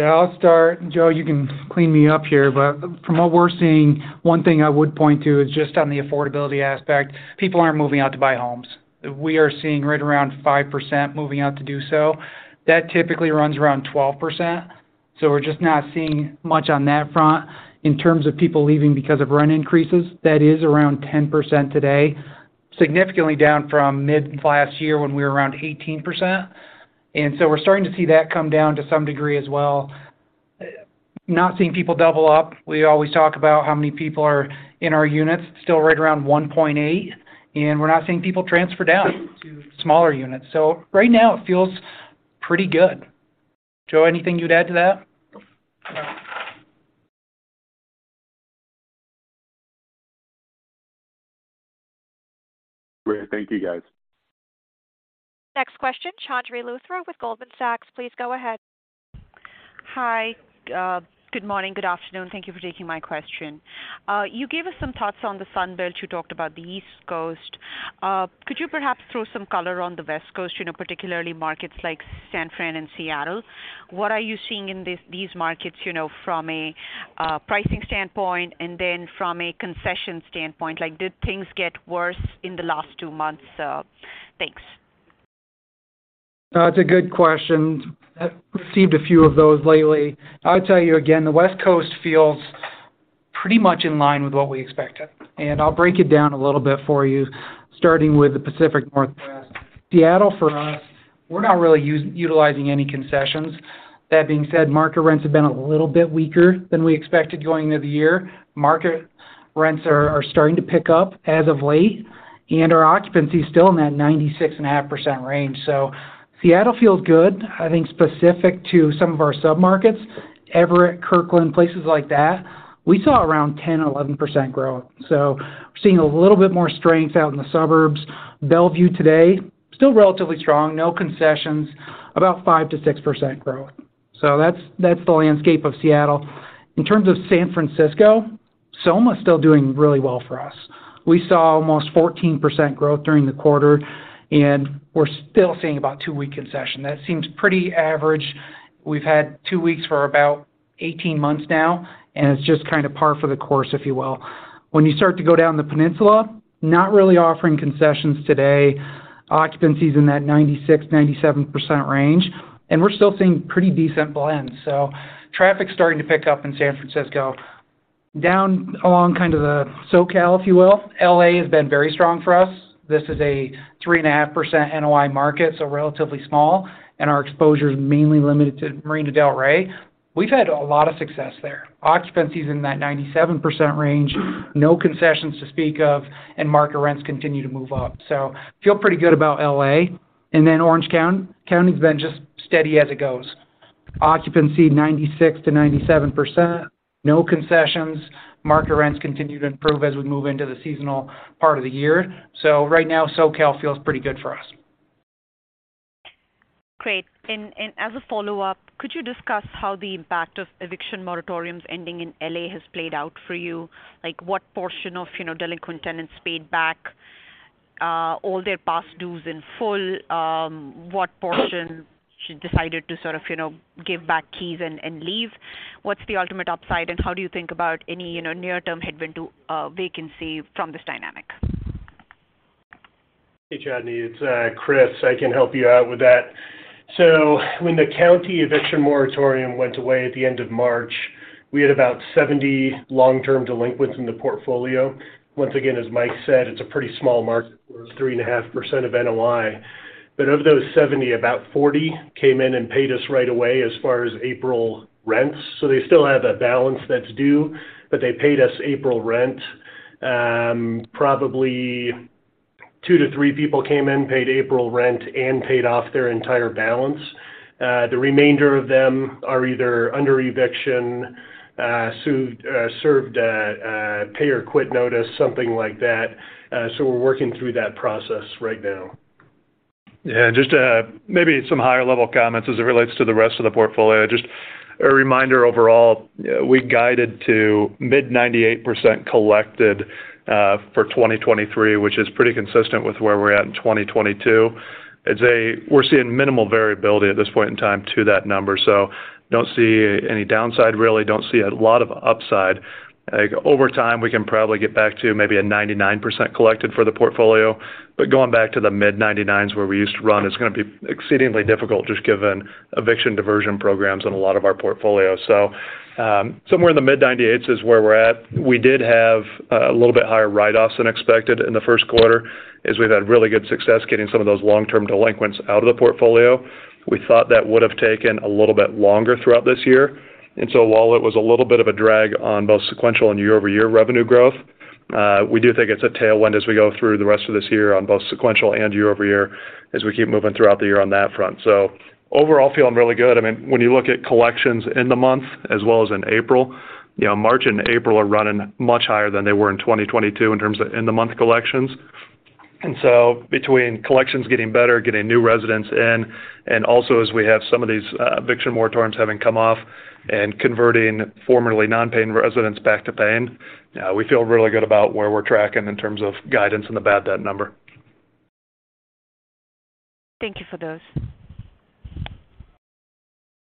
D: I'll start. Joe, you can clean me up here. From what we're seeing, one thing I would point to is just on the affordability aspect, people aren't moving out to buy homes. We are seeing right around 5% moving out to do so. That typically runs around 12%. We're just not seeing much on that front. In terms of people leaving because of rent increases, that is around 10% today, significantly down from mid last year when we were around 18%. We're starting to see that come down to some degree as well. Not seeing people double up. We always talk about how many people are in our units, still right around 1.8, and we're not seeing people transfer down to smaller units. Right now it feels pretty good. Joe, anything you'd add to that?
E: No.
L: Great. Thank you, guys.
A: Next question, Chandni Luthra with Goldman Sachs. Please go ahead.
M: Hi. Good morning. Good afternoon. Thank you for taking my question. You gave us some thoughts on the Sun Belt. You talked about the East Coast. Could you perhaps throw some color on the West Coast, you know, particularly markets like San Fran and Seattle? What are you seeing in these markets, you know, from a pricing standpoint and then from a concession standpoint? Like, did things get worse in the last two months? Thanks.
D: That's a good question. I've received a few of those lately. I would tell you again, the West Coast feels pretty much in line with what we expected. I'll break it down a little bit for you, starting with the Pacific Northwest. Seattle, for us, we're not really utilizing any concessions. That being said, market rents have been a little bit weaker than we expected going into the year. Market rents are starting to pick up as of late. Our occupancy is still in that 96.5% range. Seattle feels good. I think specific to some of our submarkets, Everett, Kirkland, places like that, we saw around 10-11% growth. We're seeing a little bit more strength out in the suburbs. Bellevue today, still relatively strong, no concessions, about 5-6% growth. That's the landscape of Seattle. In terms of San Francisco, Soma is still doing really well for us. We saw almost 14% growth during the quarter. We're still seeing about two-week concession. That seems pretty average. We've had two weeks for about 18 months now. It's just kind of par for the course, if you will. When you start to go down the peninsula, not really offering concessions today. Occupancy is in that 96%, 97% range. We're still seeing pretty decent blends. Traffic's starting to pick up in San Francisco. Down along kind of the SoCal, if you will, L.A. has been very strong for us. This is a 3.5% NOI market, relatively small. Our exposure is mainly limited to Marina del Rey. We've had a lot of success there. Occupancy is in that 97% range. No concessions to speak of. Market rents continue to move up. Feel pretty good about L.A. Orange County has been just steady as it goes. Occupancy 96%-97%. No concessions. Market rents continue to improve as we move into the seasonal part of the year. Right now, SoCal feels pretty good for us.
M: Great. As a follow-up, could you discuss how the impact of eviction moratoriums ending in L.A. has played out for you? Like, what portion of, you know, delinquent tenants paid back all their past dues in full? What portion decided to sort of, you know, give back keys and leave? What's the ultimate upside, and how do you think about any, you know, near-term headwind to vacancy from this dynamic?
N: Hey, Chandni, it's Chris. I can help you out with that. When the county eviction moratorium went away at the end of March, we had about 70 long-term delinquents in the portfolio. Once again, as Mike Lacy said, it's a pretty small market, it was 3.5% of NOI. Of those 70, about 40 came in and paid us right away as far as April rents. They still have a balance that's due, but they paid us April rent. Probably 2 to 3 people came in, paid April rent and paid off their entire balance. The remainder of them are either under eviction, served a pay or quit notice, something like that. We're working through that process right now.
D: Just maybe some higher-level comments as it relates to the rest of the portfolio. Just a reminder, overall, we guided to mid 98% collected for 2023, which is pretty consistent with where we're at in 2022. We're seeing minimal variability at this point in time to that number. Don't see any downside, really. Don't see a lot of upside. Over time, we can probably get back to maybe a 99% collected for the portfolio. Going back to the mid 99% where we used to run is gonna be exceedingly difficult just given eviction diversion programs in a lot of our portfolios. Somewhere in the mid 98% is where we're at. We did have a little bit higher write-offs than expected in the Q1 as we've had really good success getting some of those long-term delinquents out of the portfolio. We thought that would have taken a little bit longer throughout this year. While it was a little bit of a drag on both sequential and year-over-year revenue growth, we do think it's a tailwind as we go through the rest of this year on both sequential and year-over-year as we keep moving throughout the year on that front. Overall, feeling really good. I mean, when you look at collections in the month as well as in April, you know, March and April are running much higher than they were in 2022 in terms of in-the-month collections. between collections getting better, getting new residents in, and also as we have some of these eviction moratoriums having come off and converting formerly non-paying residents back to paying, we feel really good about where we're tracking in terms of guidance and the bad debt number.
M: Thank you for those.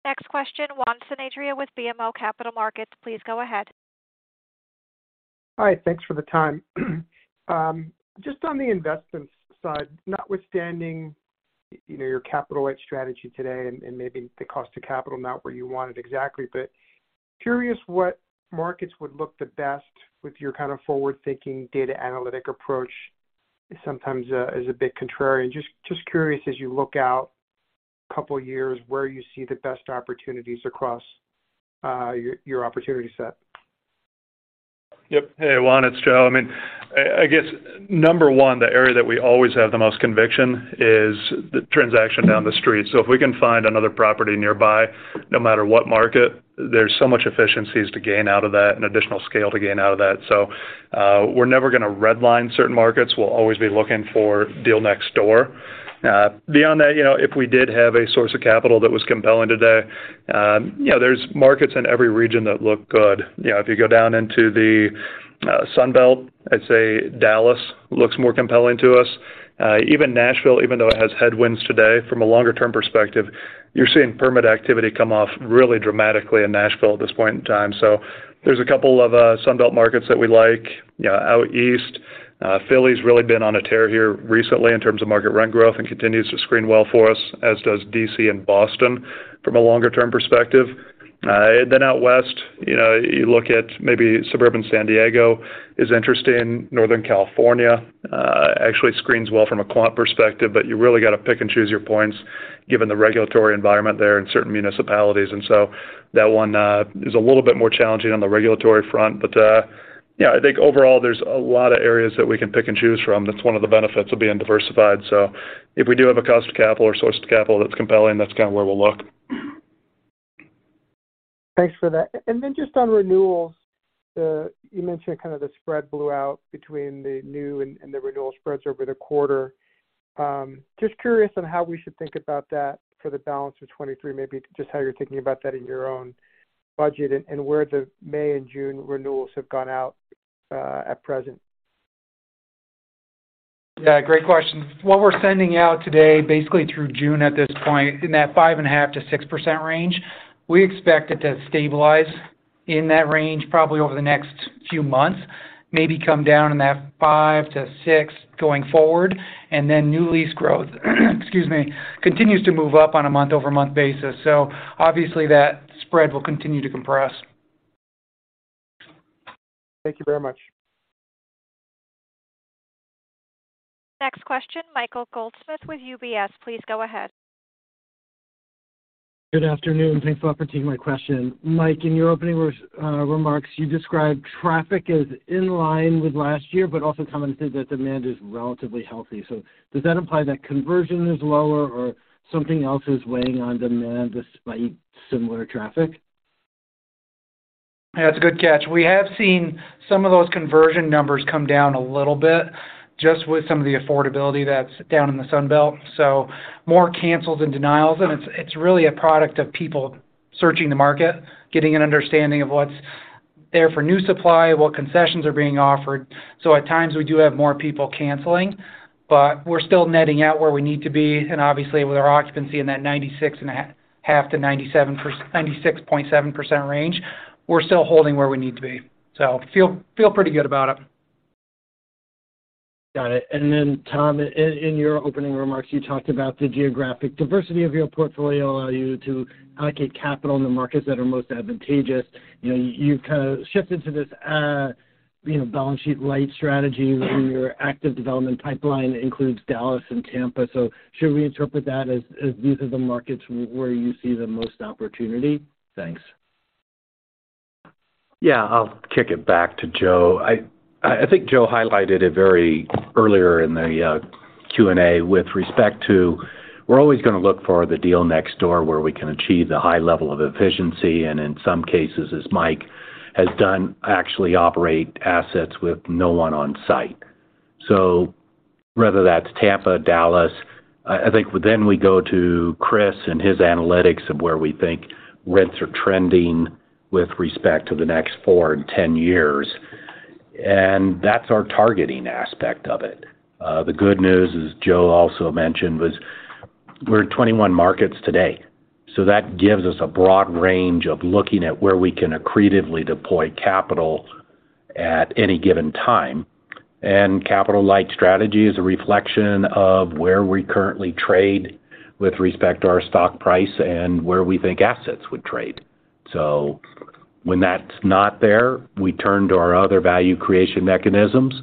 A: Next question, Juan Sanabria with BMO Capital Markets. Please go ahead.
O: Hi. Thanks for the time. Just on the investment side, notwithstanding, you know, your capital light strategy today and maybe the cost of capital not where you want it exactly, curious what markets would look the best with your kind of forward-thinking data analytic approach, sometimes, is a bit contrarian. Just curious, as you look out couple years where you see the best opportunities across your opportunity set.
E: Yep. Hey, Juan, it's Joe. I mean, I guess, number one, the area that we always have the most conviction is the transaction down the street. If we can find another property nearby, no matter what market, there's so much efficiencies to gain out of that and additional scale to gain out of that. We're never gonna redline certain markets, we'll always be looking for deal next door. Beyond that, you know, if we did have a source of capital that was compelling today, you know, there's markets in every region that look good. You know, if you go down into the Sun Belt, I'd say Dallas looks more compelling to us. Even Nashville, even though it has headwinds today, from a longer-term perspective, you're seeing permit activity come off really dramatically in Nashville at this point in time. There's a couple of Sun Belt markets that we like. You know, out east, Philly's really been on a tear here recently in terms of market rent growth and continues to screen well for us, as does D.C. and Boston from a longer-term perspective. Out west, you know, you look at maybe suburban San Diego is interesting. Northern California, actually screens well from a quant perspective, but you really got to pick and choose your points given the regulatory environment there in certain municipalities. That one is a little bit more challenging on the regulatory front. Yeah, I think overall there's a lot of areas that we can pick and choose from. That's one of the benefits of being diversified. If we do have a cost of capital or source to capital that's compelling, that's kind of where we'll look.
O: Thanks for that. Just on renewals, you mentioned kind of the spread blew out between the new and the renewal spreads over the quarter. Just curious on how we should think about that for the balance of 23, maybe just how you're thinking about that in your own budget and where the May and June renewals have gone out at present.
D: Yeah, great question. What we're sending out today, basically through June at this point, in that 5.5%-6% range. We expect it to stabilize in that range probably over the next few months, maybe come down in that 5%-6% going forward. Then new lease growth, excuse me, continues to move up on a month-over-month basis. Obviously that spread will continue to compress.
O: Thank you very much.
A: Next question, Michael Goldsmith with UBS. Please go ahead.
P: Good afternoon, thanks for taking my question. Mike, in your opening remarks, you described traffic as in line with last year, also commented that demand is relatively healthy. Does that imply that conversion is lower or something else is weighing on demand despite similar traffic?
D: That's a good catch. We have seen some of those conversion numbers come down a little bit just with some of the affordability that's down in the Sun Belt, so more cancels and denials. It's really a product of people searching the market, getting an understanding of what's there for new supply, what concessions are being offered. At times, we do have more people canceling, but we're still netting out where we need to be. Obviously, with our occupancy in that 96 and a half to 97 96.7% range, we're still holding where we need to be. Feel pretty good about it.
P: Got it. Tom, in your opening remarks, you talked about the geographic diversity of your portfolio allow you to allocate capital in the markets that are most advantageous. You know, you've kind of shifted to this, you know, balance sheet light strategy, and your active development pipeline includes Dallas and Tampa. Should we interpret that as these are the markets where you see the most opportunity? Thanks.
C: Yeah. I'll kick it back to Joe. I think Joe highlighted it very earlier in the Q&A with respect to we're always gonna look for the deal next door where we can achieve the high level of efficiency, and in some cases, as Mike has done, actually operate assets with no one on site. Whether that's Tampa, Dallas, I think then we go to Chris and his analytics of where we think rents are trending with respect to the next 4 and 10 years. That's our targeting aspect of it. The good news, as Joe also mentioned, was we're in 21 markets today. That gives us a broad range of looking at where we can accretively deploy capital at any given time. Capital light strategy is a reflection of where we currently trade with respect to our stock price and where we think assets would trade. When that's not there, we turn to our other value creation mechanisms,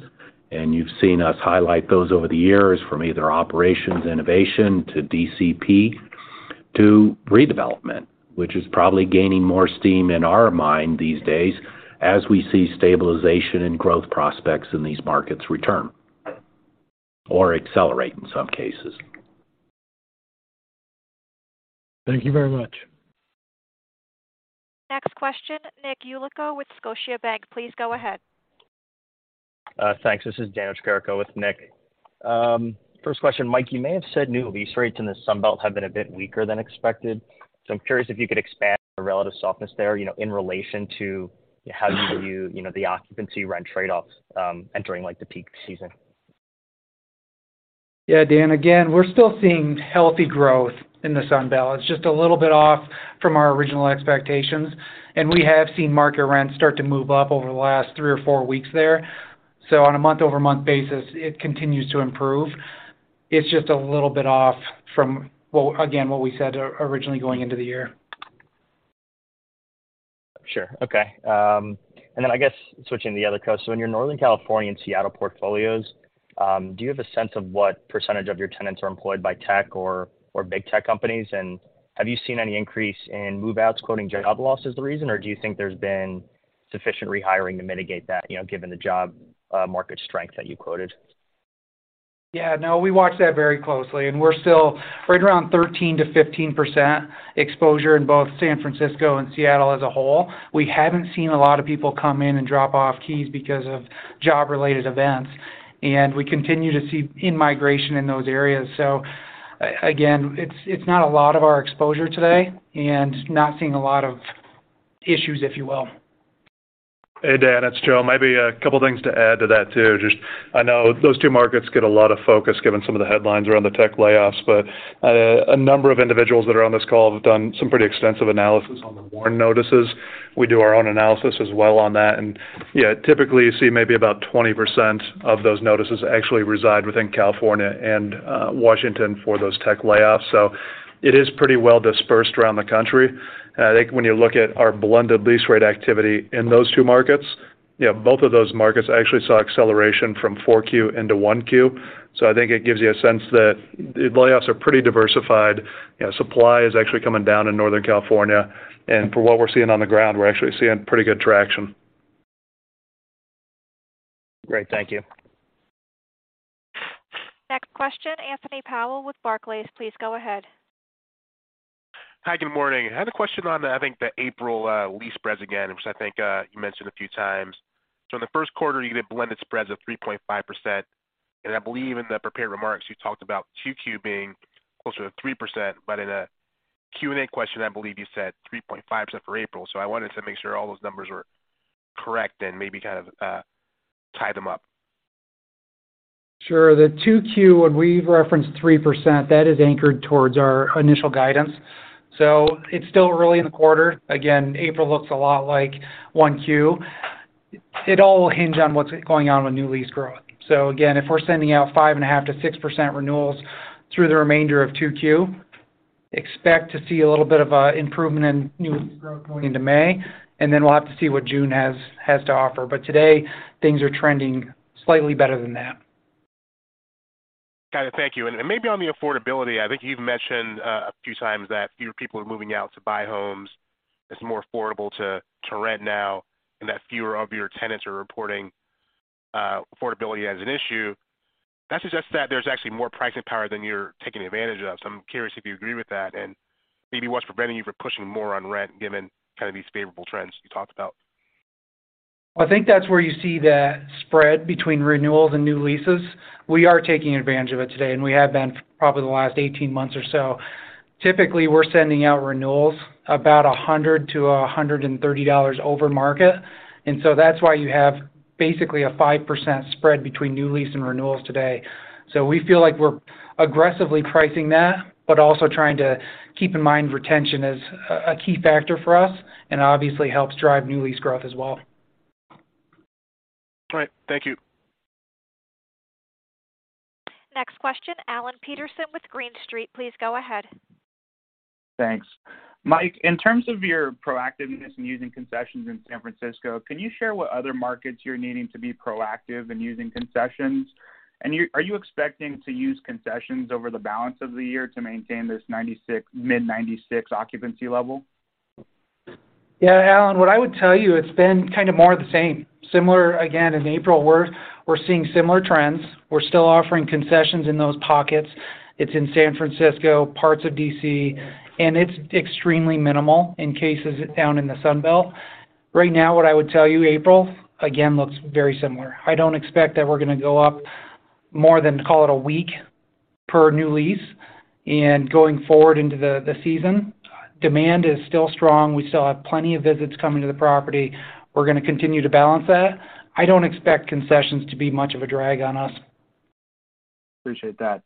C: and you've seen us highlight those over the years from either operations innovation to DCP to redevelopment, which is probably gaining more steam in our mind these days as we see stabilization and growth prospects in these markets return or accelerate in some cases.
P: Thank you very much.
A: Next question, Nick Yulico with Scotiabank. Please go ahead.
Q: Thanks. This is Daniel Tricarico with Nick. First question, Mike, you may have said new lease rates in the Sun Belt have been a bit weaker than expected. I'm curious if you could expand the relative softness there, you know, in relation to how you view, you know, the occupancy rent trade-offs, entering like the peak season?
D: Yeah. Dan, again, we're still seeing healthy growth in the Sun Belt. It's just a little bit off from our original expectations, and we have seen market rents start to move up over the last three or four weeks there. On a month-over-month basis, it continues to improve. It's just a little bit off from what, again, what we said originally going into the year.
Q: Sure. Okay. I guess switching to the other coast. In your Northern California and Seattle portfolios, do you have a sense of what percentage of your tenants are employed by tech or big tech companies? Have you seen any increase in move-outs quoting job loss as the reason? Do you think there's been sufficient rehiring to mitigate that, you know, given the job market strength that you quoted?
D: No, we watch that very closely, and we're still right around 13%-15% exposure in both San Francisco and Seattle as a whole. We haven't seen a lot of people come in and drop off keys because of job-related events, and we continue to see in-migration in those areas. Again, it's not a lot of our exposure today and not seeing a lot of issues, if you will.
E: Hey, Dan, it's Joe. Maybe a couple things to add to that too. I know those two markets get a lot of focus given some of the headlines around the tech layoffs, a number of individuals that are on this call have done some pretty extensive analysis on the WARN notices. We do our own analysis as well on that. Yeah, typically, you see maybe about 20% of those notices actually reside within California and Washington for those tech layoffs. It is pretty well dispersed around the country. I think when you look at our blended lease rate activity in those two markets, yeah, both of those markets actually saw acceleration from 4Q into 1Q. I think it gives you a sense that the layoffs are pretty diversified. You know, supply is actually coming down in Northern California, and for what we're seeing on the ground, we're actually seeing pretty good traction.
Q: Great. Thank you.
A: Next question, Anthony Powell with Barclays. Please go ahead.
R: Hi, good morning. I had a question on, I think the April lease spreads again, which I think you mentioned a few times. In the Q1, you gave blended spreads of 3.5%, and I believe in the prepared remarks, you talked about 2Q being closer to 3%, but in a Q&A question, I believe you said 3.5% for April. I wanted to make sure all those numbers were correct and maybe kind of tie them up.
D: Sure. The 2Q, when we've referenced 3%, that is anchored towards our initial guidance. It's still early in the quarter. April looks a lot like 1Q. It all will hinge on what's going on with new lease growth. If we're sending out 5.5%-6% renewals through the remainder of 2Q, expect to see a little bit of improvement in new lease growth going into May. We'll have to see what June has to offer. Today, things are trending slightly better than that.
R: Got it. Thank you. Maybe on the affordability, I think you've mentioned a few times that fewer people are moving out to buy homes. It's more affordable to rent now, and that fewer of your tenants are reporting affordability as an issue. That suggests that there's actually more pricing power than you're taking advantage of. I'm curious if you agree with that and maybe what's preventing you from pushing more on rent given kind of these favorable trends you talked about.
D: I think that's where you see that spread between renewals and new leases. We are taking advantage of it today, and we have been for probably the last 18 months or so. Typically, we're sending out renewals about $100-$130 over market. That's why you have basically a 5% spread between new lease and renewals today. We feel like we're aggressively pricing that, but also trying to keep in mind retention is a key factor for us and obviously helps drive new lease growth as well.
R: All right. Thank you.
A: Next question, Alan Peterson with Green Street. Please go ahead.
S: Thanks. Mike, in terms of your proactiveness in using concessions in San Francisco, can you share what other markets you're needing to be proactive in using concessions? Are you expecting to use concessions over the balance of the year to maintain this mid-96 occupancy level?
D: Yeah, Alan, what I would tell you, it's been kind of more the same. Similar again, in April, we're seeing similar trends. We're still offering concessions in those pockets. It's in San Francisco, parts of D.C., and it's extremely minimal in cases down in the Sun Belt. Right now, what I would tell you, April, again, looks very similar. I don't expect that we're gonna go up more than call it a week per new lease. Going forward into the season, demand is still strong. We still have plenty of visits coming to the property. We're gonna continue to balance that. I don't expect concessions to be much of a drag on us.
S: Appreciate that.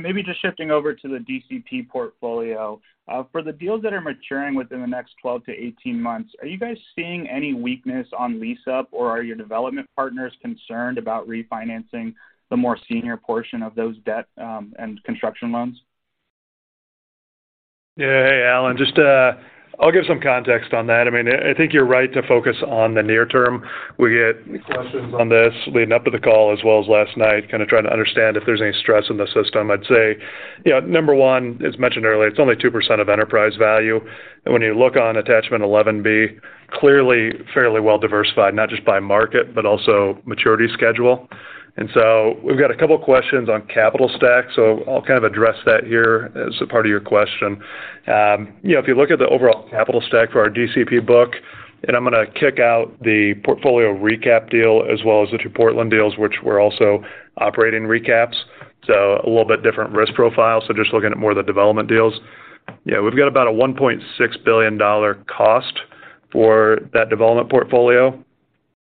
S: Maybe just shifting over to the DCP portfolio. For the deals that are maturing within the next 12 to 18 months, are you guys seeing any weakness on lease up, or are your development partners concerned about refinancing the more senior portion of those debt and construction loans?
E: Yeah. Hey, Alan, just, I'll give some context on that. I mean, I think you're right to focus on the near term. We get questions on this leading up to the call as well as last night, kind of trying to understand if there's any stress in the system. I'd say, number one, as mentioned earlier, it's only 2% of enterprise value. When you look on attachment 11 B, clearly fairly well diversified, not just by market, but also maturity schedule. We've got a couple of questions on capital stack, so I'll kind of address that here as a part of your question. You know, if you look at the overall capital stack for our DCP book, and I'm gonna kick out the portfolio recap deal as well as the two Portland deals, which we're also operating recaps, so a little bit different risk profile. Just looking at more of the development deals. Yeah, we've got about a $1.6 billion cost for that development portfolio.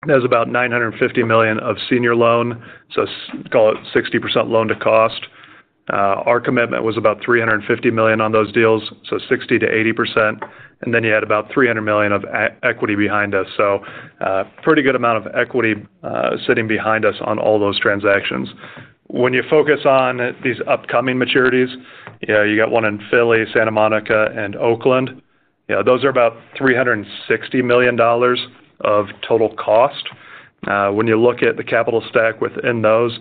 E: There's about $950 million of senior loan, call it 60% loan to cost. Our commitment was about $350 million on those deals, so 60%-80%. Then you add about $300 million of e-equity behind us. A pretty good amount of equity sitting behind us on all those transactions. When you focus on these upcoming maturities, yeah, you got one in Philly, Santa Monica, and Oakland. Yeah, those are about $360 million of total cost. When you look at the capital stack within those,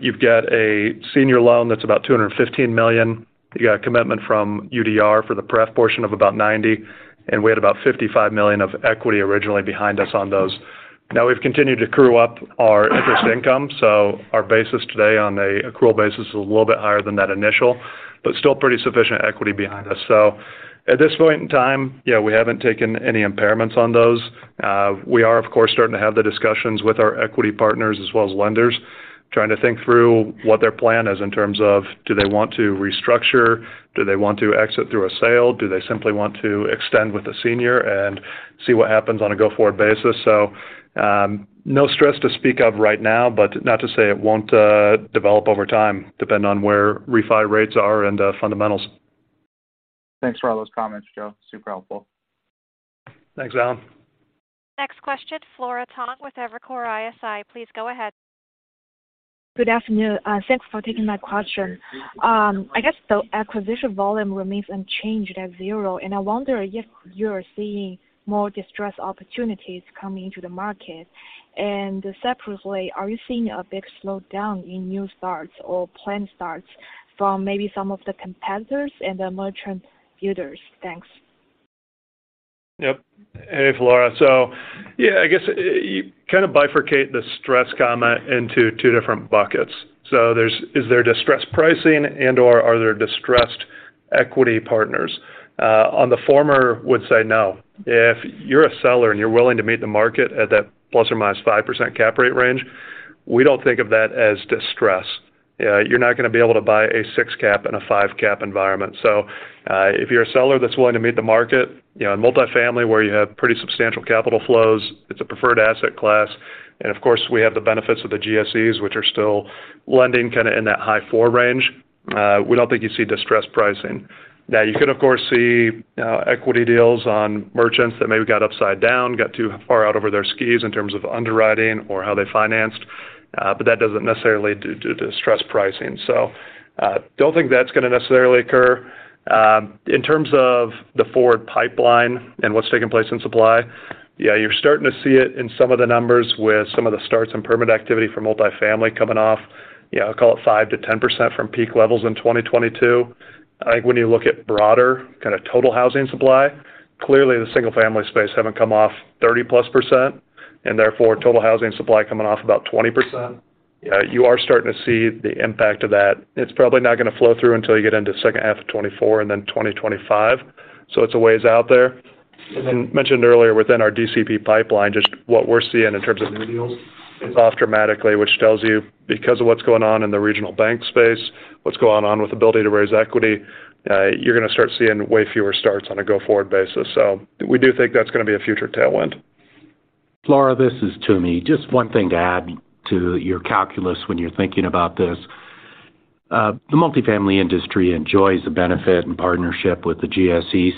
E: you've got a senior loan that's about $215 million. You got a commitment from UDR for the pref portion of about $90 million, and we had about $55 million of equity originally behind us on those. We've continued to accrue up our interest income, so our basis today on an accrual basis is a little bit higher than that initial, but still pretty sufficient equity behind us. At this point in time, yeah, we haven't taken any impairments on those. We are of course, starting to have the discussions with our equity partners as well as lenders, trying to think through what their plan is in terms of do they want to restructure? Do they want to exit through a sale? Do they simply want to extend with the senior and see what happens on a go-forward basis? No stress to speak of right now, but not to say it won't develop over time, depend on where refi rates are and fundamentals.
S: Thanks for all those comments, Joe. Super helpful.
E: Thanks, Allen.
A: Next question, Flora Tong with Evercore ISI. Please go ahead.
T: Good afternoon. Thanks for taking my question. I guess the acquisition volume remains unchanged at 0, and I wonder if you're seeing more distressed opportunities coming into the market. Separately, are you seeing a big slowdown in new starts or planned starts from maybe some of the competitors and the merchant builders? Thanks.
E: Flora. I guess you kind of bifurcate the stress comment into two different buckets. Is there distressed pricing and/or are there distressed equity partners? On the former would say no. If you're a seller and you're willing to meet the market at that ±5% cap rate range, we don't think of that as distressed. You're not going to be able to buy a 6 cap in a 5 cap environment. If you're a seller that's willing to meet the market, you know, in multifamily where you have pretty substantial capital flows, it's a preferred asset class. Of course, we have the benefits of the GSEs, which are still lending kind of in that high 4 range. We don't think you see distressed pricing. You can of course see equity deals on merchants that maybe got upside down, got too far out over their skis in terms of underwriting or how they financed, but that doesn't necessarily do distressed pricing. Don't think that's gonna necessarily occur. In terms of the forward pipeline and what's taking place in supply, yeah, you're starting to see it in some of the numbers with some of the starts and permit activity for multifamily coming off, you know, call it 5%-10% from peak levels in 2022. I think when you look at broader kinda total housing supply, clearly the single family space haven't come off 30%+ and therefore total housing supply coming off about 20%. You are starting to see the impact of that. It's probably not gonna flow through until you get into second half of 2024 and then 2025. It's a ways out there. As mentioned earlier within our DCP pipeline, just what we're seeing in terms of new deals is off dramatically, which tells you because of what's going on in the regional bank space, what's going on with ability to raise equity, you're gonna start seeing way fewer starts on a go-forward basis. We do think that's gonna be a future tailwind.
C: Flora, this is Toomey. Just one thing to add to your calculus when you're thinking about this. The multifamily industry enjoys the benefit and partnership with the GSEs,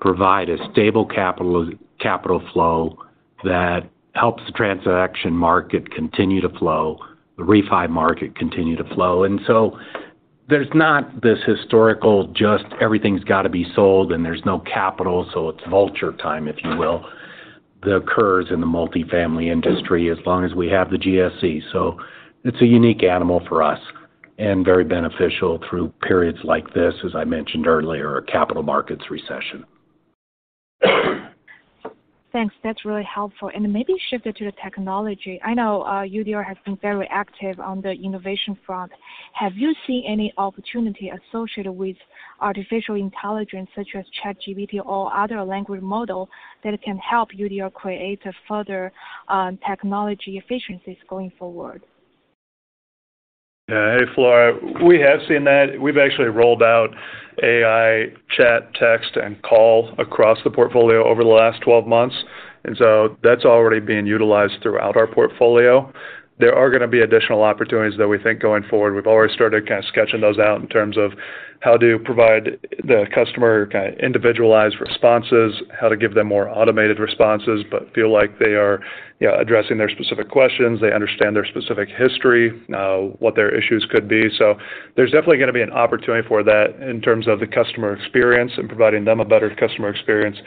C: provide a stable capital flow that helps the transaction market continue to flow, the refi market continue to flow. There's not this historical just everything's gotta be sold and there's no capital, so it's vulture time, if you will, that occurs in the multifamily industry as long as we have the GSEs. It's a unique animal for us and very beneficial through periods like this, as I mentioned earlier, a capital markets recession.
T: Thanks. That's really helpful. Maybe shift it to the technology. I know UDR has been very active on the innovation front. Have you seen any opportunity associated with artificial intelligence such as ChatGPT or other language model that can help UDR create further technology efficiencies going forward?
E: Yeah. Hey, Flora. We have seen that. We've actually rolled out AI chat, text, and call across the portfolio over the last 12 months, that's already being utilized throughout our portfolio. There are gonna be additional opportunities that we think going forward. We've already started kinda sketching those out in terms of how to provide the customer kinda individualized responses, how to give them more automated responses, feel like they are, you know, addressing their specific questions, they understand their specific history, what their issues could be. There's definitely gonna be an opportunity for that in terms of the customer experience and providing them a better customer experience,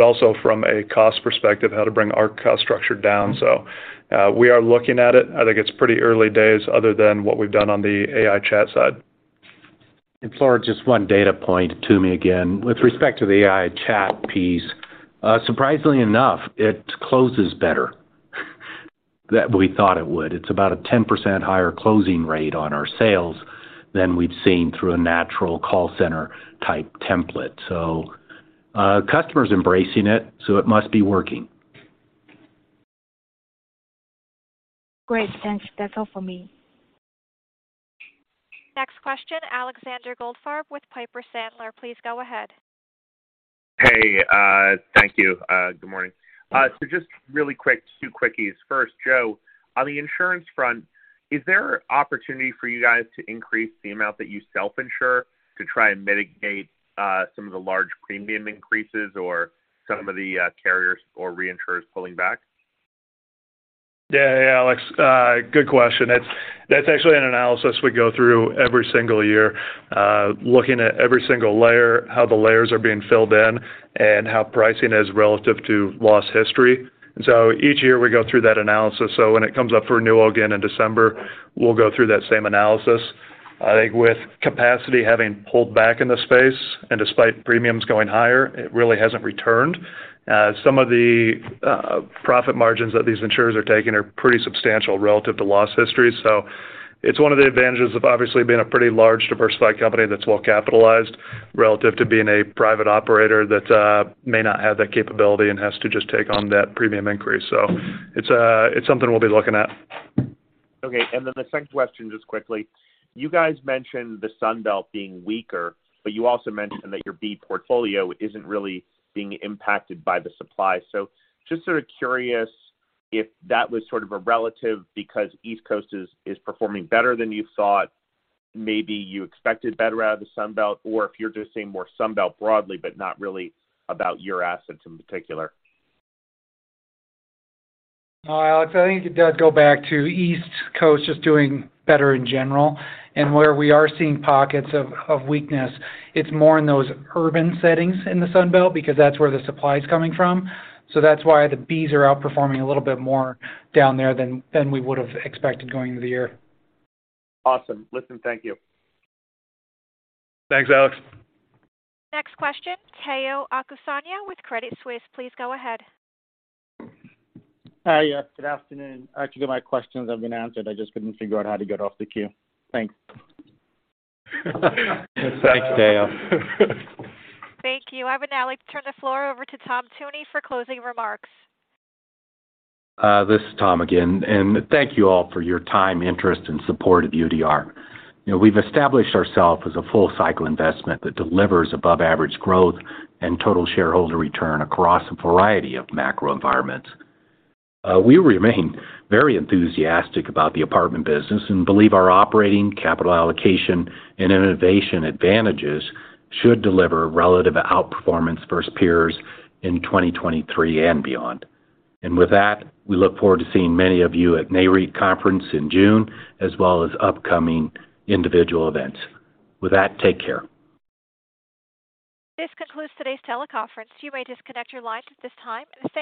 E: also from a cost perspective, how to bring our cost structure down. We are looking at it. I think it's pretty early days other than what we've done on the AI chat side.
C: Flora, just one data point. Toomey again. With respect to the AI chat piece, surprisingly enough, it closes better than we thought it would. It's about a 10% higher closing rate on our sales than we've seen through a natural call center type template. Customer's embracing it, so it must be working.
T: Great. Thanks. That's all for me.
A: Next question, Alexander Goldfarb with Piper Sandler. Please go ahead.
U: Hey, thank you. Good morning. Just really quick, two quickies. First, Joe, on the insurance front, is there opportunity for you guys to increase the amount that you self-insure to try and mitigate some of the large premium increases or some of the carriers or reinsurers pulling back?
E: Yeah, Alex, good question. That's actually an analysis we go through every single year, looking at every single layer, how the layers are being filled in, and how pricing is relative to loss history. Each year we go through that analysis, so when it comes up for renewal again in December, we'll go through that same analysis. I think with capacity having pulled back in the space and despite premiums going higher, it really hasn't returned. Some of the profit margins that these insurers are taking are pretty substantial relative to loss history. It's one of the advantages of obviously being a pretty large diversified company that's well capitalized relative to being a private operator that may not have that capability and has to just take on that premium increase. It's something we'll be looking at.
U: Okay. The second question, just quickly. You guys mentioned the Sun Belt being weaker, you also mentioned that your B portfolio isn't really being impacted by the supply. Just sort of curious if that was sort of a relative because East Coast is performing better than you thought, maybe you expected better out of the Sun Belt, or if you're just seeing more Sun Belt broadly, but not really about your assets in particular?
D: Alex, I think it does go back to East Coast just doing better in general. Where we are seeing pockets of weakness, it's more in those urban settings in the Sun Belt because that's where the supply is coming from. That's why the Bs are outperforming a little bit more down there than we would have expected going into the year.
U: Awesome. Listen, thank you.
E: Thanks, Alex.
A: Next question, Tayo Okusanya with Credit Suisse, please go ahead.
V: Hi. Yeah, good afternoon. Actually, my questions have been answered. I just couldn't figure out how to get off the queue. Thanks.
E: Thanks, Tayo.
A: Thank you. I would now like to turn the floor over to Tom Toomey for closing remarks.
C: This is Tom again. Thank you all for your time, interest, and support of UDR. You know, we've established ourself as a full cycle investment that delivers above average growth and total shareholder return across a variety of macro environments. We remain very enthusiastic about the apartment business and believe our operating, capital allocation, and innovation advantages should deliver relative outperformance versus peers in 2023 and beyond. With that, we look forward to seeing many of you at Nareit conference in June, as well as upcoming individual events. With that, take care.
A: This concludes today's teleconference. You may disconnect your lines at this time. Thank you.